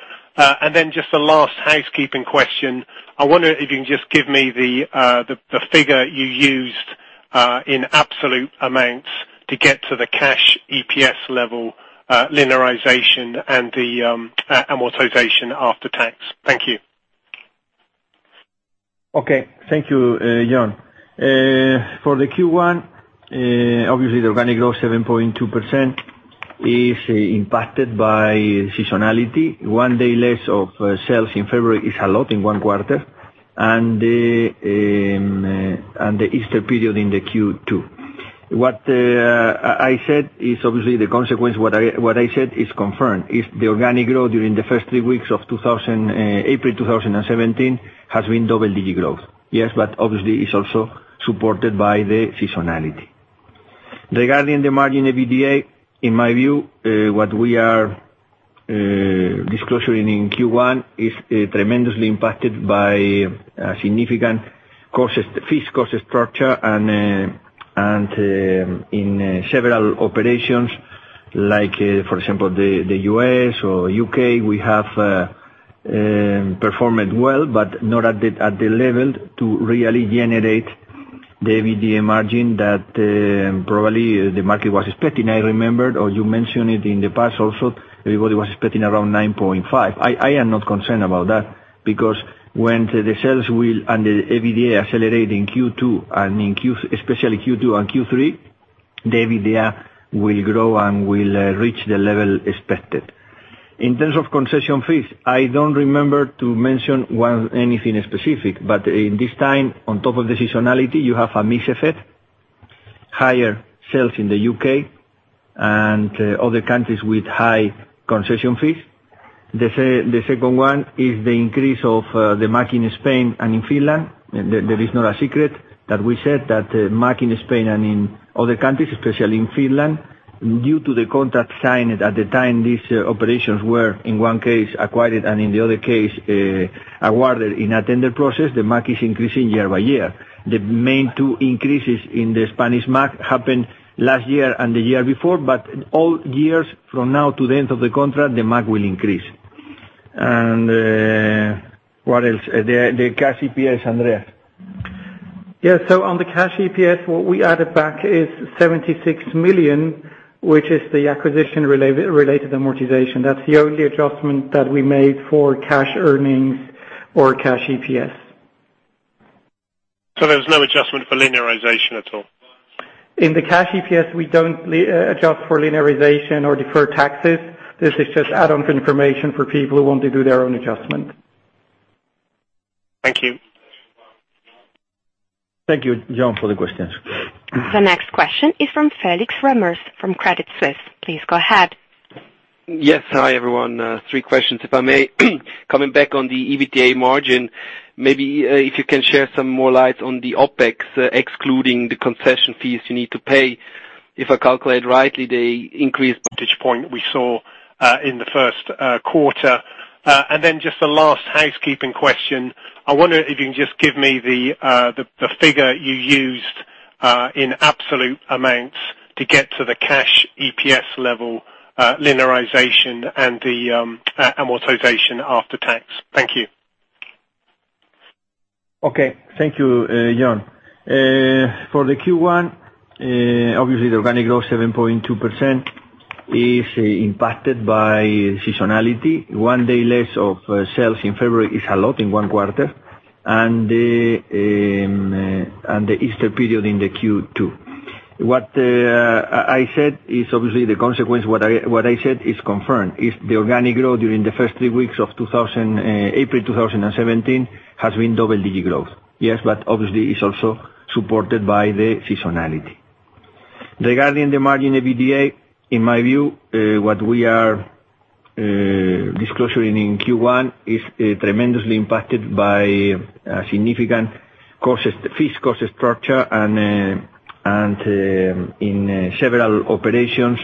Just the last housekeeping question. I wonder if you can just give me the figure you used in absolute amounts to get to the cash EPS level, linearization, and the amortization after tax. Thank you. Okay. Thank you, Jon. For the Q1, obviously the organic growth, 7.2%, is impacted by seasonality. One day less of sales in February is a lot in one quarter, and the Easter period in the Q2. Obviously, the consequence of what I said is confirmed. If the organic growth during the first three weeks of April 2017 has been double-digit growth. Yes, obviously, it's also supported by the seasonality. Regarding the margin EBITDA, in my view, what we are disclosing in Q1 is tremendously impacted by significant fixed cost structure. In several operations, for example, the U.S. or U.K., we have performed well, but not at the level to really generate the EBITDA margin that probably the market was expecting. I remember, or you mentioned it in the past also, everybody was expecting around 9.5%. I am not concerned about that, because when the sales and the EBITDA accelerate, especially Q2 and Q3, the EBITDA will grow and will reach the level expected. In terms of concession fees, I don't remember to mention anything specific. In this time, on top of the seasonality, you have a mix effect. Higher sales in the U.K. and other countries with high concession fees. The second one is the increase of the MAG in Spain and in Finland. That is not a secret that we said that the MAG in Spain and in other countries, especially in Finland, due to the contract signed at the time, these operations were, in one case, acquired, and in the other case, awarded in a tender process. The MAG is increasing year by year. The main two increases in the Spanish MAG happened last year and the year before, all years from now to the end of the contract, the MAG will increase. What else? The cash EPS, Andreas. On the cash EPS, what we added back is 76 million, which is the acquisition-related amortization. That's the only adjustment that we made for cash earnings or cash EPS. There's no adjustment for linearization at all? In the cash EPS, we don't adjust for linearization or deferred taxes. This is just add-on information for people who want to do their own adjustment. Thank you. Thank you, Jon, for the questions. The next question is from Felix Remmers from Credit Suisse. Please go ahead. Yes. Hi, everyone. Three questions, if I may. Coming back on the EBITDA margin, maybe if you can share some more light on the OpEx, excluding the concession fees you need to pay. If I calculate rightly, the increase percentage point we saw in the first quarter. Just the last housekeeping question. I wonder if you can just give me the figure you used in absolute amounts to get to the cash EPS level, linearization, and the amortization after tax. Thank you. Okay. Thank you, Jon. For the Q1, obviously the organic growth, 7.2%, is impacted by seasonality. One day less of sales in February is a lot in one quarter, and the Easter period in the Q2. Obviously, the consequence of what I said is confirmed. If the organic growth during the first three weeks of April 2017 has been double-digit growth. Yes, but obviously, it's also supported by the seasonality. Regarding the margin EBITDA, in my view, what we are disclosing in Q1 is tremendously impacted by significant fixed cost structure. In several operations,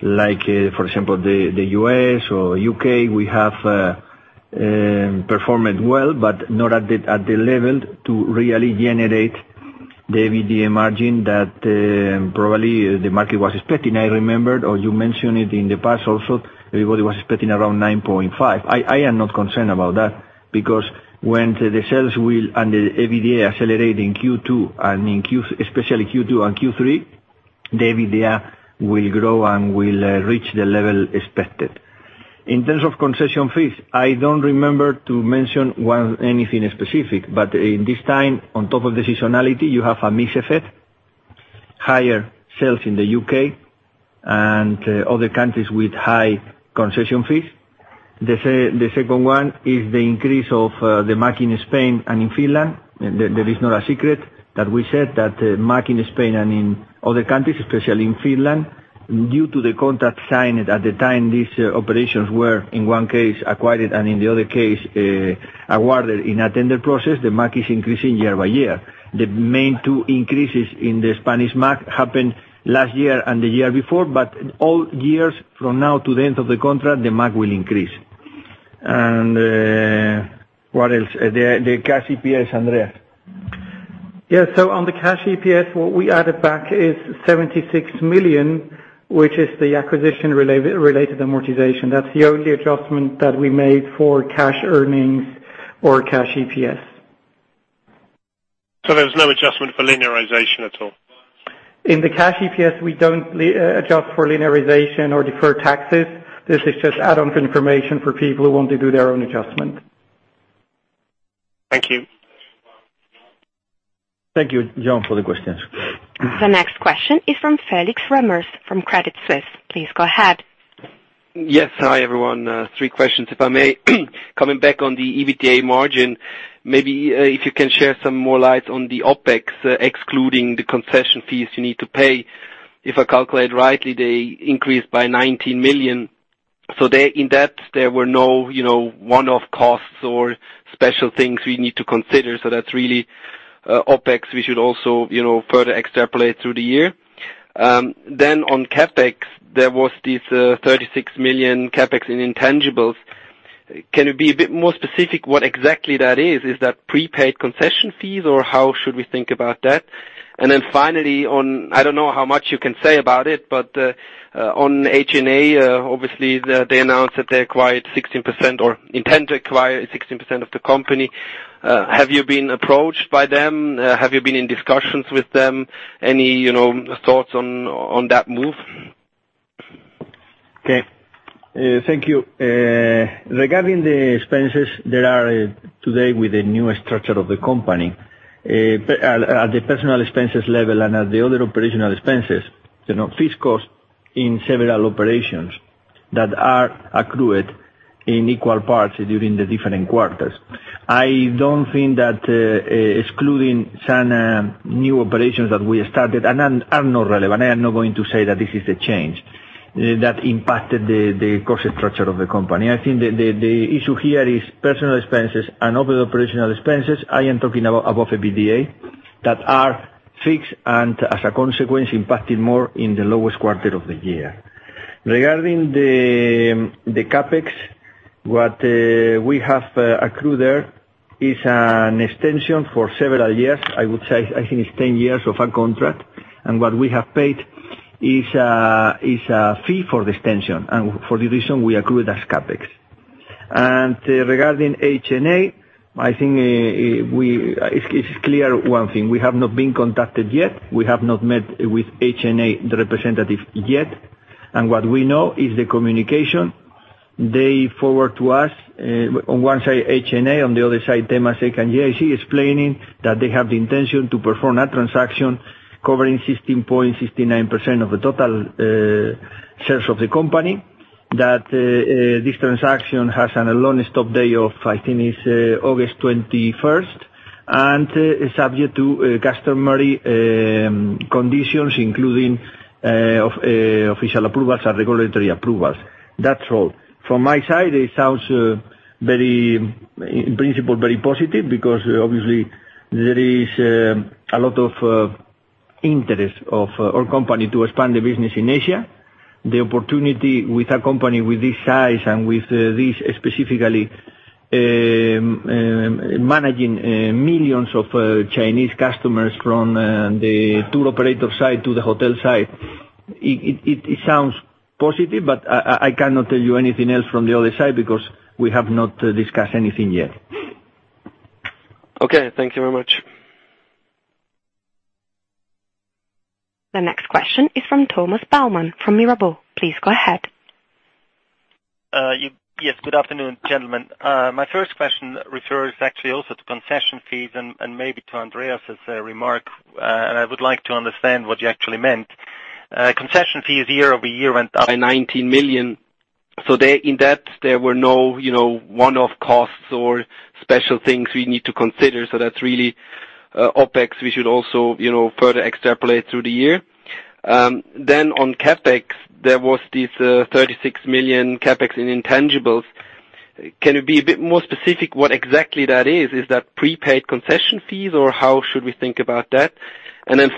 for example, the U.S. or U.K., we have performed well, but not at the level to really generate the EBITDA margin that probably the market was expecting. I remember, or you mentioned it in the past also, everybody was expecting around 9.5%. I am not concerned about that, because when the sales and the EBITDA accelerate, especially Q2 and Q3, the EBITDA will grow and will reach the level expected. In terms of concession fees, I don't remember to mention anything specific, but in this time, on top of the seasonality, you have a mix effect. Higher sales in the U.K. and other countries with high concession fees. The second one is the increase of the MAG in Spain and in Finland. That is not a secret that we said that the MAG in Spain and in other countries, especially in Finland, due to the contract signed at the time, these operations were, in one case, acquired, and in the other case, awarded in a tender process. The MAG is increasing year by year. The main two increases in the Spanish MAG happened last year and the year before, but all years from now to the end of the contract, the MAG will increase. What else? The cash EPS, Andreas. Yeah. On the cash EPS, what we added back is 76 million, which is the acquisition-related amortization. That's the only adjustment that we made for cash earnings or cash EPS. There was no adjustment for linearization at all? In the cash EPS, we don't adjust for linearization or deferred taxes. This is just add-on information for people who want to do their own adjustment. Thank you. Thank you, Jon, for the questions. The next question is from Felix Remmers from Credit Suisse. Please go ahead. Yes. Hi, everyone. Three questions, if I may. Coming back on the EBITDA margin, maybe if you can share some more light on the OpEx, excluding the concession fees you need to pay. If I calculate rightly, they increased by 19 million. In that, there were no one-off costs or special things we need to consider, so that's really OpEx, we should also further extrapolate through the year. Then on CapEx, there was this 36 million CapEx in intangibles. Can you be a bit more specific what exactly that is? Is that prepaid concession fees, or how should we think about that? And then finally, on, I don't know how much you can say about it, but on HNA. Obviously, they announced that they acquired 16% or intend to acquire 16% of the company. Have you been approached by them? Have you been in discussions with them? Any thoughts on that move? Okay. Thank you. Regarding the expenses that are today with the new structure of the company. At the personal expenses level and at the other operational expenses, fixed costs in several operations that are accrued in equal parts during the different quarters. I don't think that excluding some new operations that we started are not relevant. I am not going to say that this is a change that impacted the cost structure of the company. I think the issue here is personal expenses and other operational expenses. I am talking about above EBITDA, that are fixed and, as a consequence, impacted more in the lowest quarter of the year. Regarding the CapEx, what we have accrued there is an extension for several years. I would say, I think it's 10 years of a contract. What we have paid is a fee for the extension, and for this reason, we accrued as CapEx. Regarding HNA, I think it's clear one thing. We have not been contacted yet. We have not met with HNA, the representative, yet. What we know is the communication they forward to us. On one side, HNA, on the other side, Temasek and GIC, explaining that they have the intention to perform a transaction covering 16.69% of the total shares of the company, that this transaction has a loan stop day of, I think it's August 21st, and subject to customary conditions, including official approvals and regulatory approvals. That's all. From my side, it sounds, in principle, very positive because obviously there is a lot of interest of our company to expand the business in Asia. The opportunity with a company with this size and with this specifically, managing millions of Chinese customers from the tour operator side to the hotel side. It sounds positive, but I cannot tell you anything else from the other side because we have not discussed anything yet. Okay. Thank you very much. The next question is from Thomas Baumann from Mirabaud. Please go ahead. Yes. Good afternoon, gentlemen. My first question refers actually also to concession fees and maybe to Andreas's remark. I would like to understand what you actually meant. Concession fees year-over-year went up by 19 million. In that, there were no one-off costs or special things we need to consider, that's really OpEx, we should also further extrapolate through the year. On CapEx, there was this 36 million CapEx in intangibles. Can you be a bit more specific what exactly that is? Is that prepaid concession fees, or how should we think about that?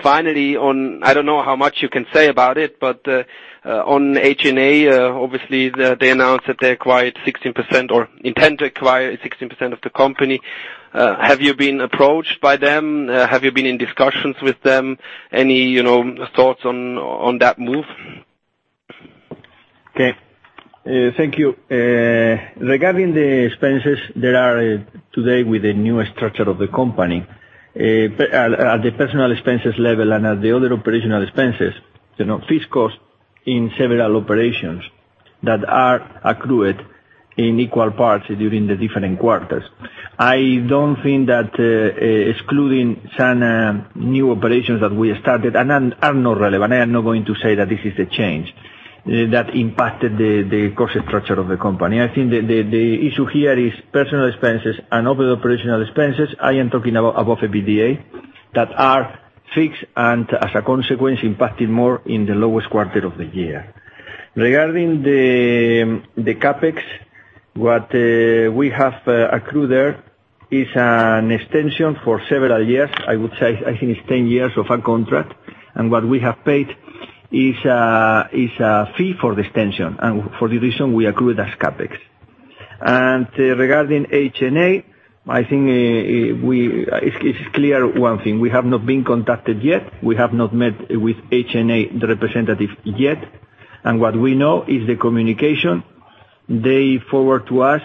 Finally, on, I don't know how much you can say about it, but on HNA. Obviously, they announced that they acquired 16% or intend to acquire 16% of the company. Have you been approached by them? Have you been in discussions with them? Any thoughts on that move? Okay. Thank you. Regarding the expenses that are today with the new structure of the company. At the personal expenses level and at the other operational expenses, fixed costs in several operations that are accrued in equal parts during the different quarters. I don't think that excluding some new operations that we started are not relevant. I am not going to say that this is a change that impacted the cost structure of the company. I think the issue here is personal expenses and other operational expenses. I am talking about above EBITDA, that are fixed and, as a consequence, impacted more in the lowest quarter of the year. Regarding the CapEx, what we have accrued there is an extension for several years. I would say, I think it's 10 years of a contract, and what we have paid Is a fee for this extension, and for the reason we accrue it as CapEx. Regarding HNA, I think it's clear one thing, we have not been contacted yet. We have not met with HNA representative yet. What we know is the communication they forward to us,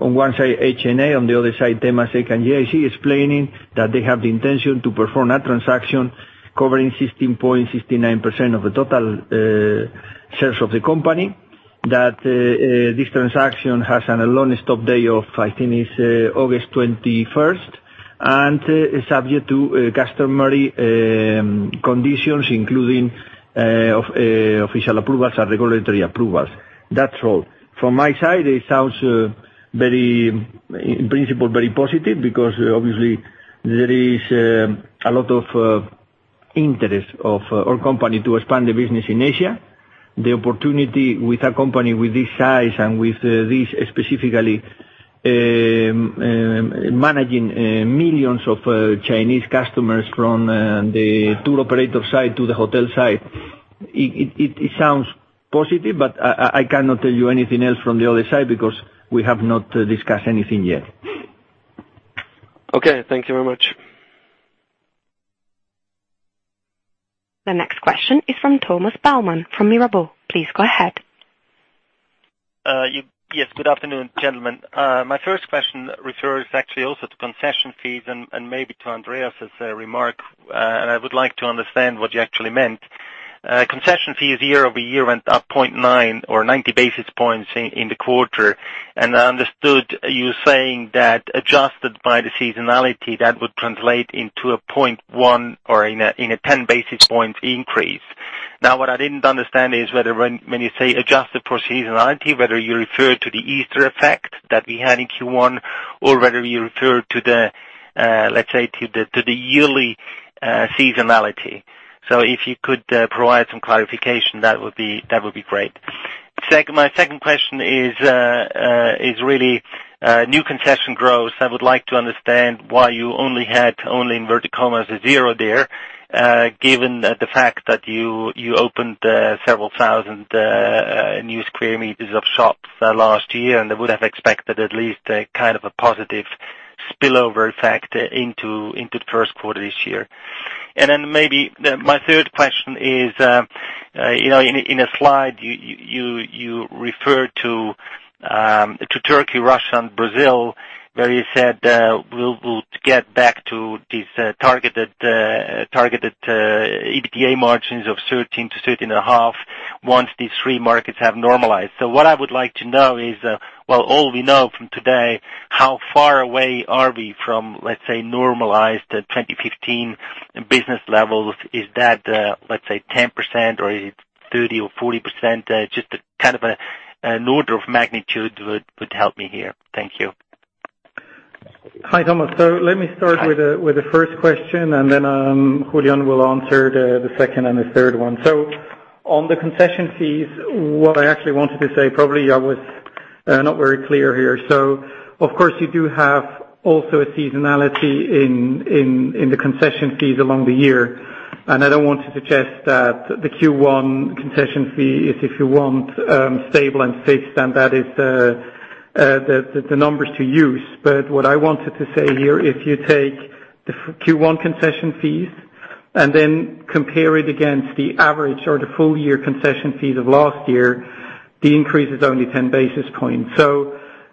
on one side, HNA, on the other side, Temasek and GIC, explaining that they have the intention to perform a transaction covering 16.69% of the total shares of the company, that this transaction has a longest stop day of, I think it's August 21st, and subject to customary conditions, including official approvals and regulatory approvals. That's all. From my side, it sounds, in principle, very positive because obviously there is a lot of interest of our company to expand the business in Asia. The opportunity with a company with this size and with this specifically, managing millions of Chinese customers from the tour operator side to the hotel side. It sounds positive, but I cannot tell you anything else from the other side because we have not discussed anything yet. Okay, thank you very much. The next question is from Thomas Baumann from Mirabaud. Please go ahead. Yes, good afternoon, gentlemen. My 1st question refers actually also to concession fees and maybe to Andreas' remark. I would like to understand what you actually meant. Concession fees year-over-year went up 0.9 or 90 basis points in the quarter, and I understood you saying that adjusted by the seasonality, that would translate into a 0.1 or in a 10 basis points increase. What I didn't understand is whether when you say adjusted for seasonality, whether you refer to the Easter effect that we had in Q1 or whether you refer, let's say, to the yearly seasonality. If you could provide some clarification, that would be great. My 2nd question is really new concession growth. I would like to understand why you only had only inverted commas a 0 there, given the fact that you opened several thousand new sq m of shops last year, and I would have expected at least a kind of a positive spillover effect into 1st quarter this year. Maybe my 3rd question is, in a slide, you referred to Turkey, Russia, and Brazil, where you said, we'll get back to this targeted EBITDA margins of 13%-13.5% once these three markets have normalized. What I would like to know is, well, all we know from today, how far away are we from, let's say, normalized 2015 business levels? Is that, let's say, 10%, or is it 30% or 40%? Just a kind of an order of magnitude would help me here. Thank you. Hi, Thomas. Let me start. Hi With the first question, Julián will answer the second and the third one. On the concession fees, what I actually wanted to say, probably I was not very clear here. Of course, you do have also a seasonality in the concession fees along the year. I don't want to suggest that the Q1 concession fee is, if you want, stable and fixed, and that is the numbers to use. What I wanted to say here, if you take the Q1 concession fees and then compare it against the average or the full-year concession fees of last year, the increase is only 10 basis points.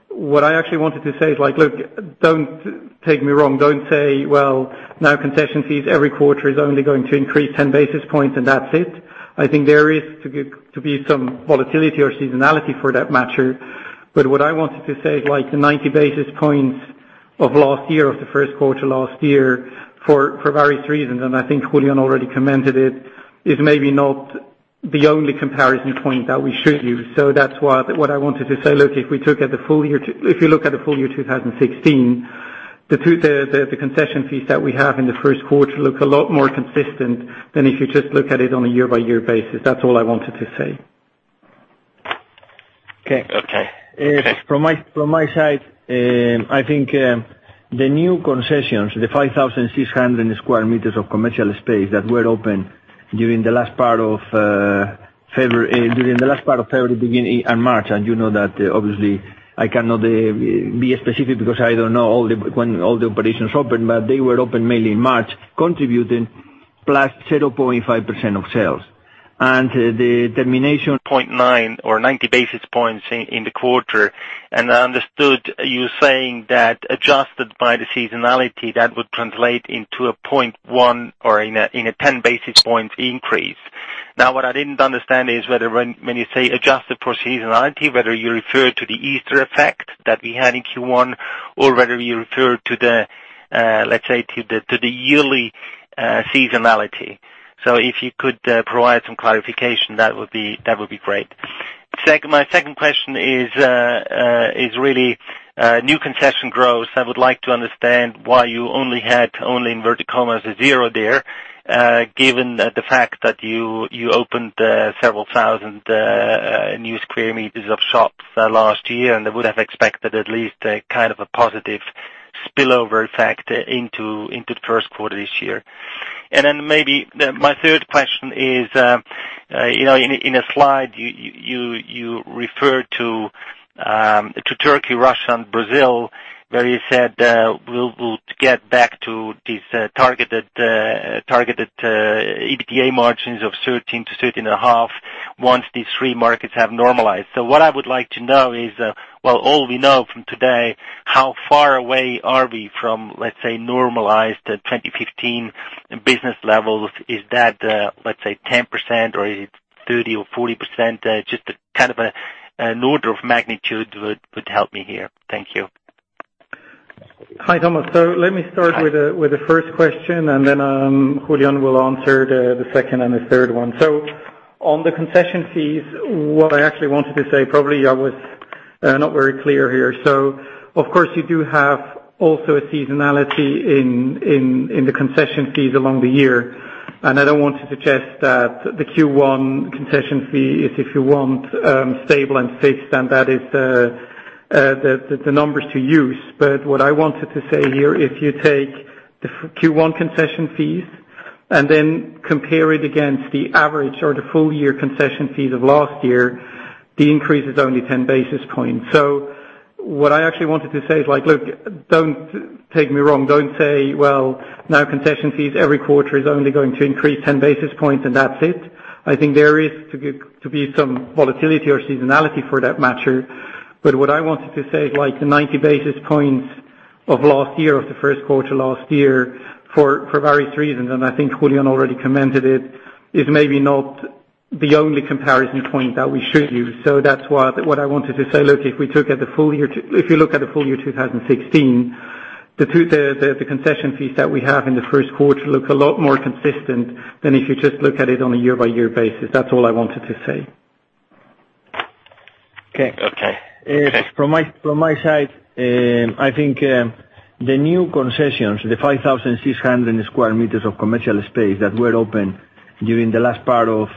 What I actually wanted to say is look, don't take me wrong. Don't say, well, now concession fees every quarter is only going to increase 10 basis points, and that's it. I think there is to be some volatility or seasonality for that matter. What I wanted to say, like the 90 basis points of last year, of the first quarter last year, for various reasons, and I think Julián already commented it, is maybe not the only comparison point that we should use. That's what I wanted to say. Look, if you look at the full year 2016, the concession fees that we have in the first quarter look a lot more consistent than if you just look at it on a year-by-year basis. That's all I wanted to say. Okay. From my side, I think the new concessions, the 5,600 sq m of commercial space that were opened during the last part of February and March, and you know that obviously I cannot be specific because I don't know when all the operations opened, but they were opened mainly in March, contributing +0.5% of sales. The termination. 0.9 or 90 basis points in the quarter, I understood you saying that adjusted by the seasonality, that would translate into a 0.1 or in a 10 basis point increase. What I didn't understand is whether when you say adjusted for seasonality, whether you refer to the Easter effect that we had in Q1 or whether you refer, let's say, to the yearly seasonality. If you could provide some clarification, that would be great. My second question is really new concession growth. I would like to understand why you only had only inverted commas a 0 there, given the fact that you opened several thousand new sq m of shops last year, I would have expected at least a kind of a positive spillover effect into the first quarter this year. Maybe my third question is, in a slide, you referred to Turkey, Russia, and Brazil, where you said, we'll get back to this targeted EBITDA margins of 13%-13.5% once these three markets have normalized. What I would like to know is, well, all we know from today, how far away are we from, let's say, normalized 2015 business levels? Is that, let's say, 10%, or is it 30% or 40%? Just a kind of an order of magnitude would help me here. Thank you. Hi, Thomas. Let me start with the first question, Julián will answer the second and the third one. On the concession fees, what I actually wanted to say, probably I was not very clear here. Of course, you do have also a seasonality in the concession fees along the year, I don't want to suggest that the Q1 concession fee is, if you want, stable and fixed, that is the numbers to use. What I wanted to say here, if you take the Q1 concession fees compare it against the average or the full-year concession fees of last year, the increase is only 10 basis points. What I actually wanted to say is, look, don't take me wrong, don't say, well, now concession fees every quarter is only going to increase 10 basis points and that's it. I think there is to be some volatility or seasonality for that matter. What I wanted to say is the 90 basis points of last year, of the first quarter last year, for various reasons, I think Julián already commented it, is maybe not the only comparison point that we should use. That's what I wanted to say, look, if you look at the full year 2016, the concession fees that we have in the first quarter look a lot more consistent than if you just look at it on a year-by-year basis. That's all I wanted to say. Okay. Okay. Thanks. From my side, I think the new concessions, the 5,600 sq m of commercial space that were opened during the last part of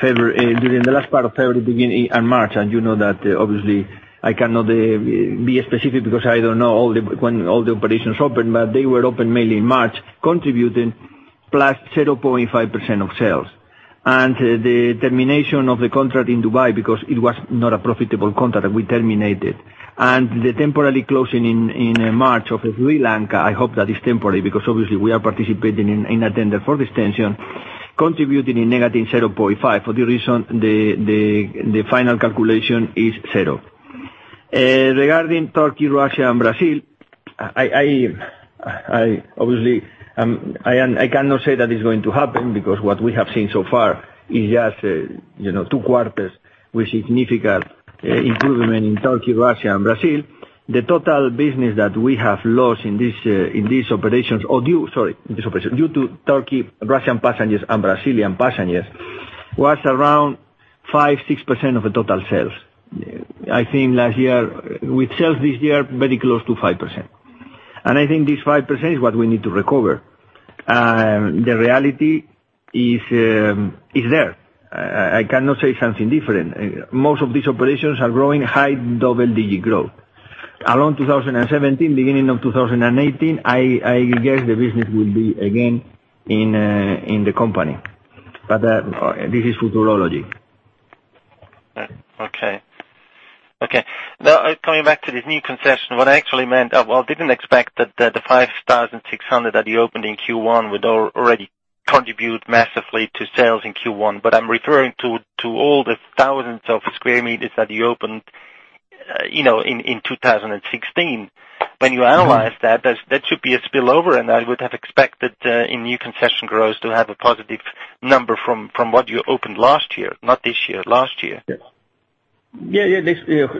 February and March, you know that obviously I cannot be specific because I don't know when all the operations opened, but they were opened mainly in March, contributing +3.5% of sales. I cannot say that it's going to happen because what we have seen so far is just two quarters with significant improvement in Turkey, Russia, and Brazil. The total business that we have lost in these operations due to Turkey, Russian passengers, and Brazilian passengers, was around 5%-6% of the total sales. I think last year, with sales this year, very close to 5%. I think this 5% is what we need to recover. The reality is there. I cannot say something different. Most of these operations are growing high double-digit growth. Along 2017, beginning of 2018, I guess the business will be again in the company. This is futurology. Okay. Now, coming back to this new concession, what I actually meant, I didn't expect that the 5,600 that you opened in Q1 would already contribute massively to sales in Q1, but I'm referring to all the thousands of square meters that you opened in 2016. When you analyze that should be a spillover, and I would have expected in new concession growth to have a positive number from what you opened last year, not this year, last year. Yeah.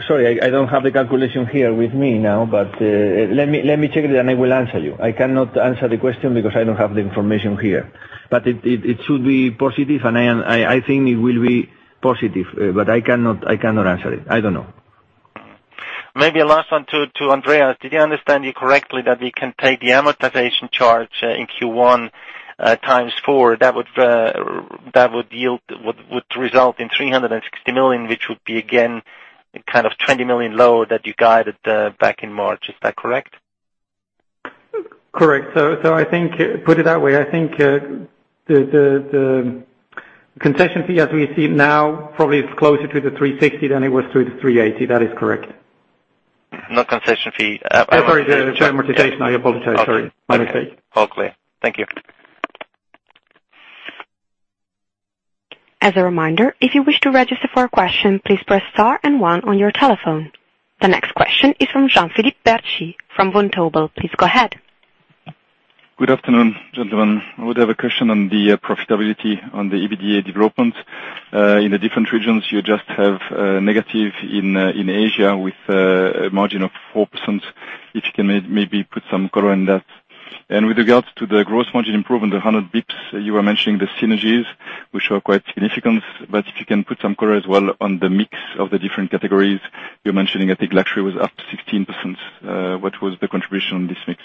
Sorry, I don't have the calculation here with me now, but let me check and I will answer you. I cannot answer the question because I don't have the information here. It should be positive, and I think it will be positive, but I cannot answer it. I don't know. Maybe a last one to Andreas. Did I understand you correctly that we can take the amortization charge in Q1 times four, that would result in 360 million, which would be again, kind of 20 million low that you guided back in March. Is that correct? Correct. Put it that way, I think the concession fee as we see it now, probably is closer to the 360 than it was to the 380. That is correct. Not concession fee. Sorry. The amortization. I apologize. Sorry. My mistake. All clear. Thank you. As a reminder, if you wish to register for a question, please press star 1 on your telephone. The next question is from Jean-Philippe Bertschy from Vontobel. Please go ahead. Good afternoon, gentlemen. I would have a question on the EBITDA development. In the different regions, you just have negative in Asia with a margin of 4%. If you can maybe put some color on that. With regards to the gross margin improvement, 100 basis points, you were mentioning the synergies, which are quite significant, but if you can put some color as well on the mix of the different categories you're mentioning. I think luxury was up 16%. What was the contribution on this mix?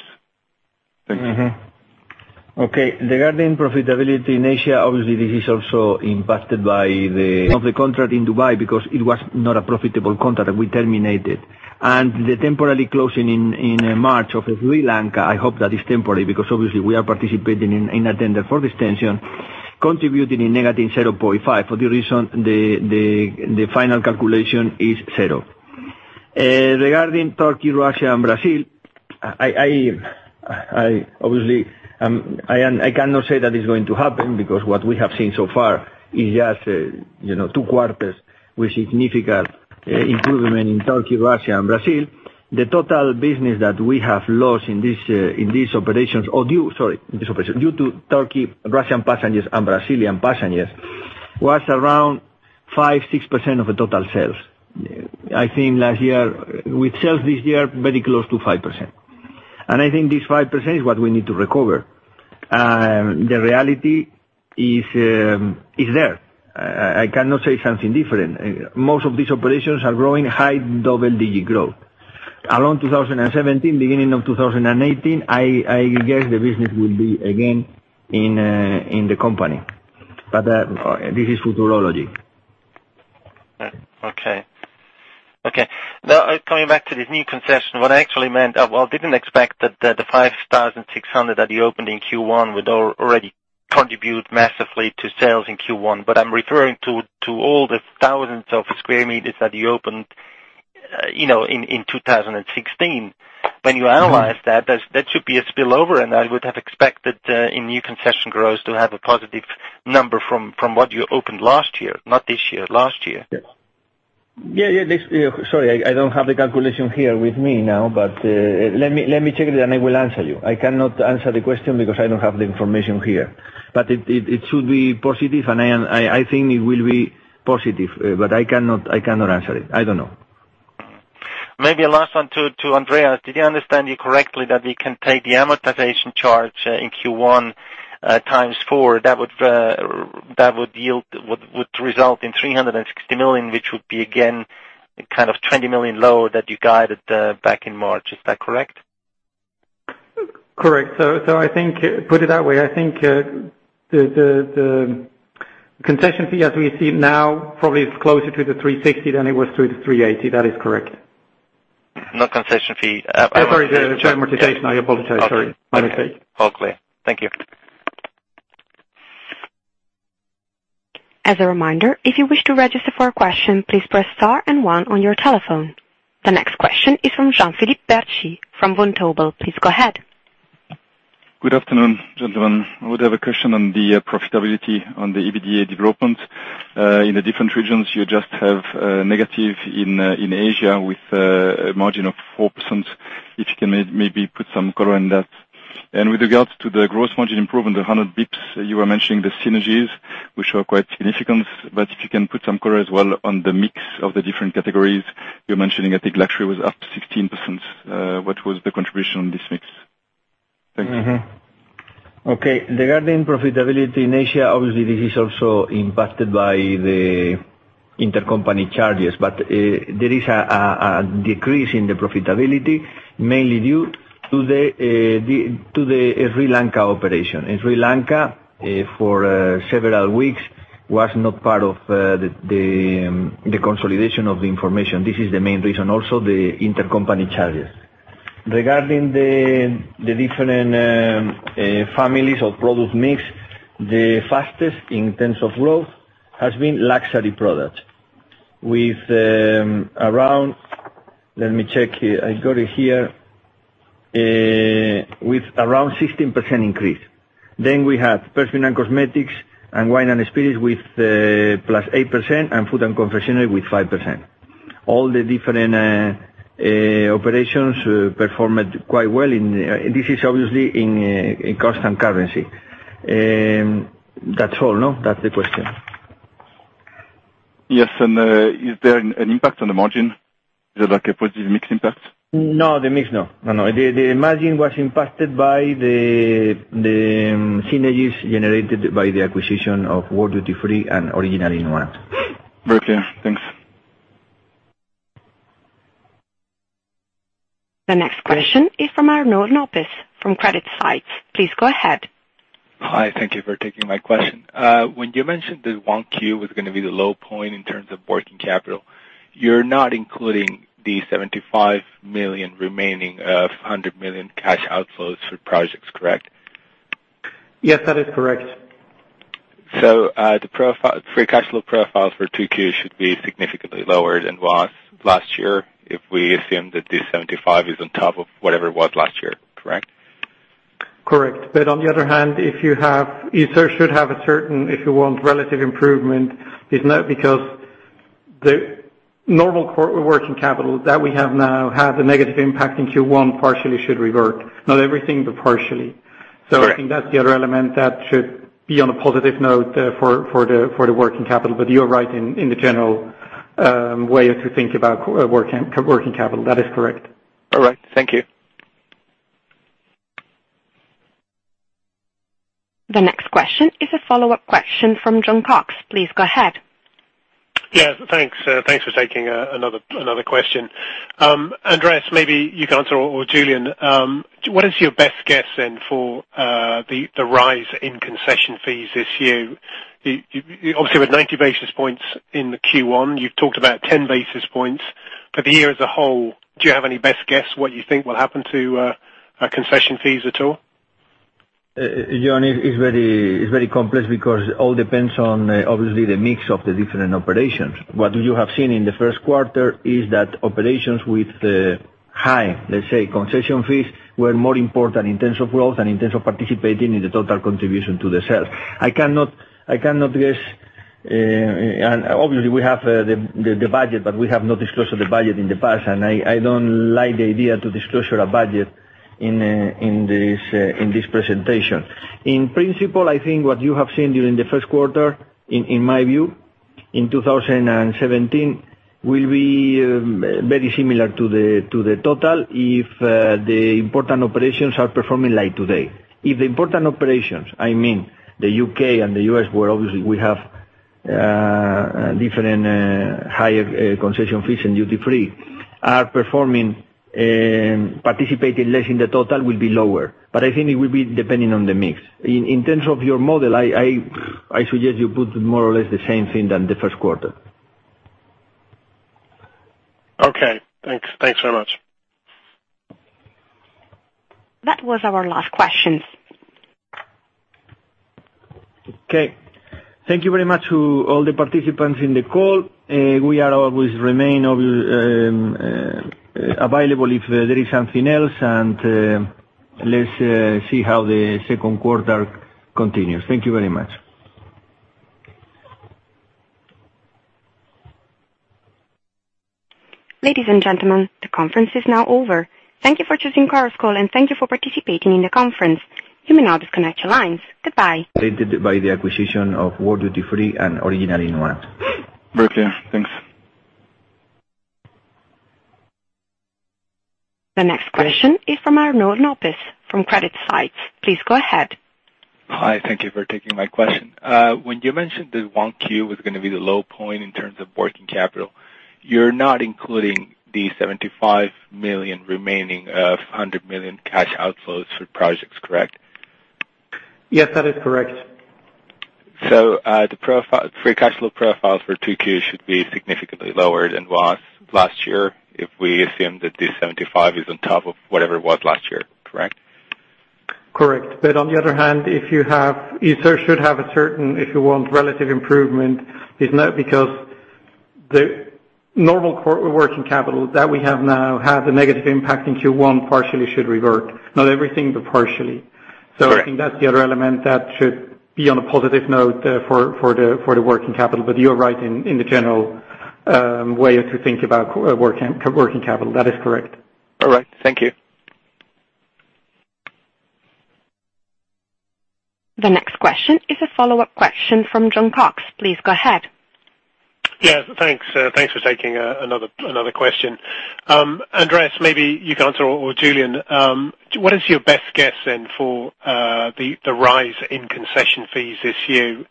Thank you. Okay. Regarding profitability in Asia, obviously, this is also impacted by the intercompany charges. There is a decrease in the profitability, mainly due to the Sri Lanka operation. In Sri Lanka, for several weeks, was not part of the consolidation of the information. This is the main reason, also the intercompany charges. Regarding the different families or product mix, the fastest in terms of growth has been luxury products. Let me check. I got it here. With around 16% increase. We have perfume and cosmetics and wine and spirits with +8%, and food and confectionery with 5%. All the different operations performed quite well, and this is obviously in constant currency. That's all, no? That's the question. Yes. Is there an impact on the margin? Is it like a positive mix impact? No, the mix, no. The margin was impacted by the synergies generated by the acquisition of World Duty Free and Autogrill in one. Very clear. Thanks. The next question is from Arnold Noppes from CreditSights. Please go ahead. Hi. Thank you for taking my question. When you mentioned that 1Q was going to be the low point in terms of working capital, you are not including the 75 million remaining of 100 million cash outflows for projects, correct? Yes, that is correct. The free cash flow profile for 2Q should be significantly lower than was last year if we assume that the 75 is on top of whatever it was last year, correct? Correct. On the other hand, you should have a certain, if you want, relative improvement, isn't it, because the normal working capital that we have now had a negative impact in Q1 partially should revert. Not everything, but partially. Correct. I think that's the other element that should be on a positive note for the working capital. You are right in the general way if you think about working capital. That is correct. All right. Thank you. The next question is a follow-up question from Jon Cox. Please go ahead. Yeah, thanks. Thanks for taking another question. Andreas, maybe you can answer, or Julián, what is your best guess for the rise in concession fees this year? Obviously, with 90 basis points in Q1, you've talked about 10 basis points for the year as a whole. Do you have any best guess what you think will happen to concession fees at all? Jon, it's very complex because it all depends on, obviously, the mix of the different operations. What you have seen in the first quarter is that operations with the high, let's say, concession fees, were more important in terms of growth and in terms of participating in the total contribution to the sales. I cannot guess. Obviously, we have the budget, but we have not disclosed the budget in the past. I don't like the idea to disclose our budget in this presentation. In principle, I think what you have seen during the first quarter, in my view, in 2017, will be very similar to the total if the important operations are performing like today. If the important operations, I mean, the U.K. and the U.S., where obviously we have different, higher concession fees and duty-free, are participating less in the total, will be lower. I think it will be depending on the mix. In terms of your model, I suggest you put more or less the same thing than the first quarter. Okay. Thanks so much. That was our last question. Okay. Thank you very much to all the participants in the call. We are always available if there is something else. Let's see how the second quarter continues. Thank you very much. Ladies and gentlemen, the conference is now over. Thank you for choosing Chorus Call, and thank you for participating in the conference. You may now disconnect your lines. Goodbye. By the acquisition of World Duty Free and Autogrill in one. Very clear. Thanks. The next question is from Arnold Noppes from CreditSights. Please go ahead. Hi. Thank you for taking my question. When you mentioned that 1Q was going to be the low point in terms of working capital, you're not including the 75 million remaining of 100 million cash outflows for projects, correct? Yes, that is correct. The free cash flow profiles for 2Q should be significantly lower than was last year if we assume that this 75 is on top of whatever it was last year, correct? Correct. On the other hand, if you should have a certain, if you want, relative improvement, isn't it, because the normal working capital that we have now had a negative impact in Q1 partially should revert. Not everything, but partially. Correct. I think that's the other element that should be on a positive note for the working capital. You're right in the general way of to think about working capital. That is correct. All right. Thank you. The next question is a follow-up question from Jon Cox. Please go ahead. Yeah, thanks. Thanks for taking another question. Andreas, maybe you can answer, or Julián, what is your best guess then for the rise in concession fees this year?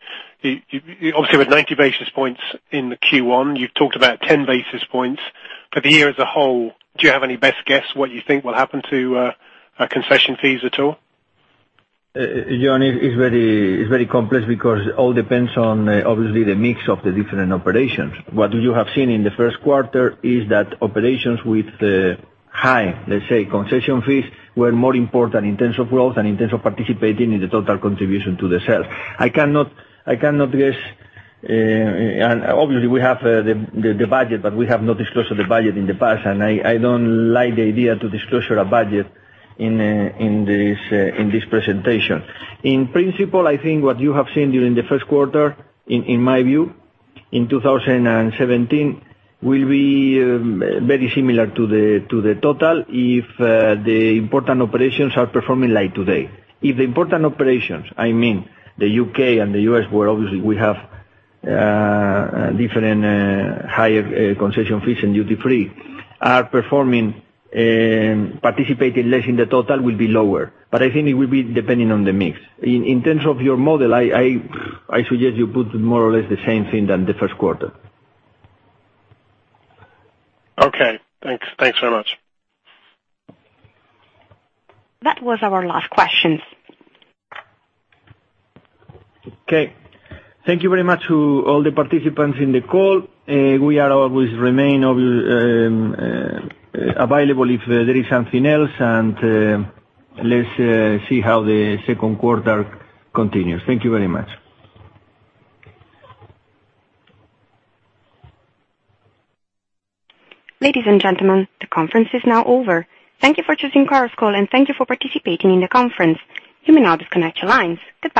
Obviously, with 90 basis points in Q1, you've talked about 10 basis points for the year as a whole. Do you have any best guess what you think will happen to concession fees at all? Jon, it's very complex because it all depends on, obviously, the mix of the different operations. What you have seen in the first quarter is that operations with the high, let's say, concession fees, were more important in terms of growth and in terms of participating in the total contribution to the sales. I cannot guess. Obviously, we have the budget, but we have not disclosed the budget in the past, and I don't like the idea to disclose our budget in this presentation. In principle, I think what you have seen during the first quarter, in my view, in 2017, will be very similar to the total if the important operations are performing like today. If the important operations, I mean, the U.K. and the U.S., where obviously we have different, higher concession fees and duty-free, are participating less in the total, will be lower. I think it will be depending on the mix. In terms of your model, I suggest you put more or less the same thing than the first quarter. Okay. Thanks so much. That was our last question. Okay. Thank you very much to all the participants in the call. We are always available if there is something else, and let's see how the second quarter continues. Thank you very much. Ladies and gentlemen, the conference is now over. Thank you for choosing Chorus Call, and thank you for participating in the conference. You may now disconnect your lines. Goodbye.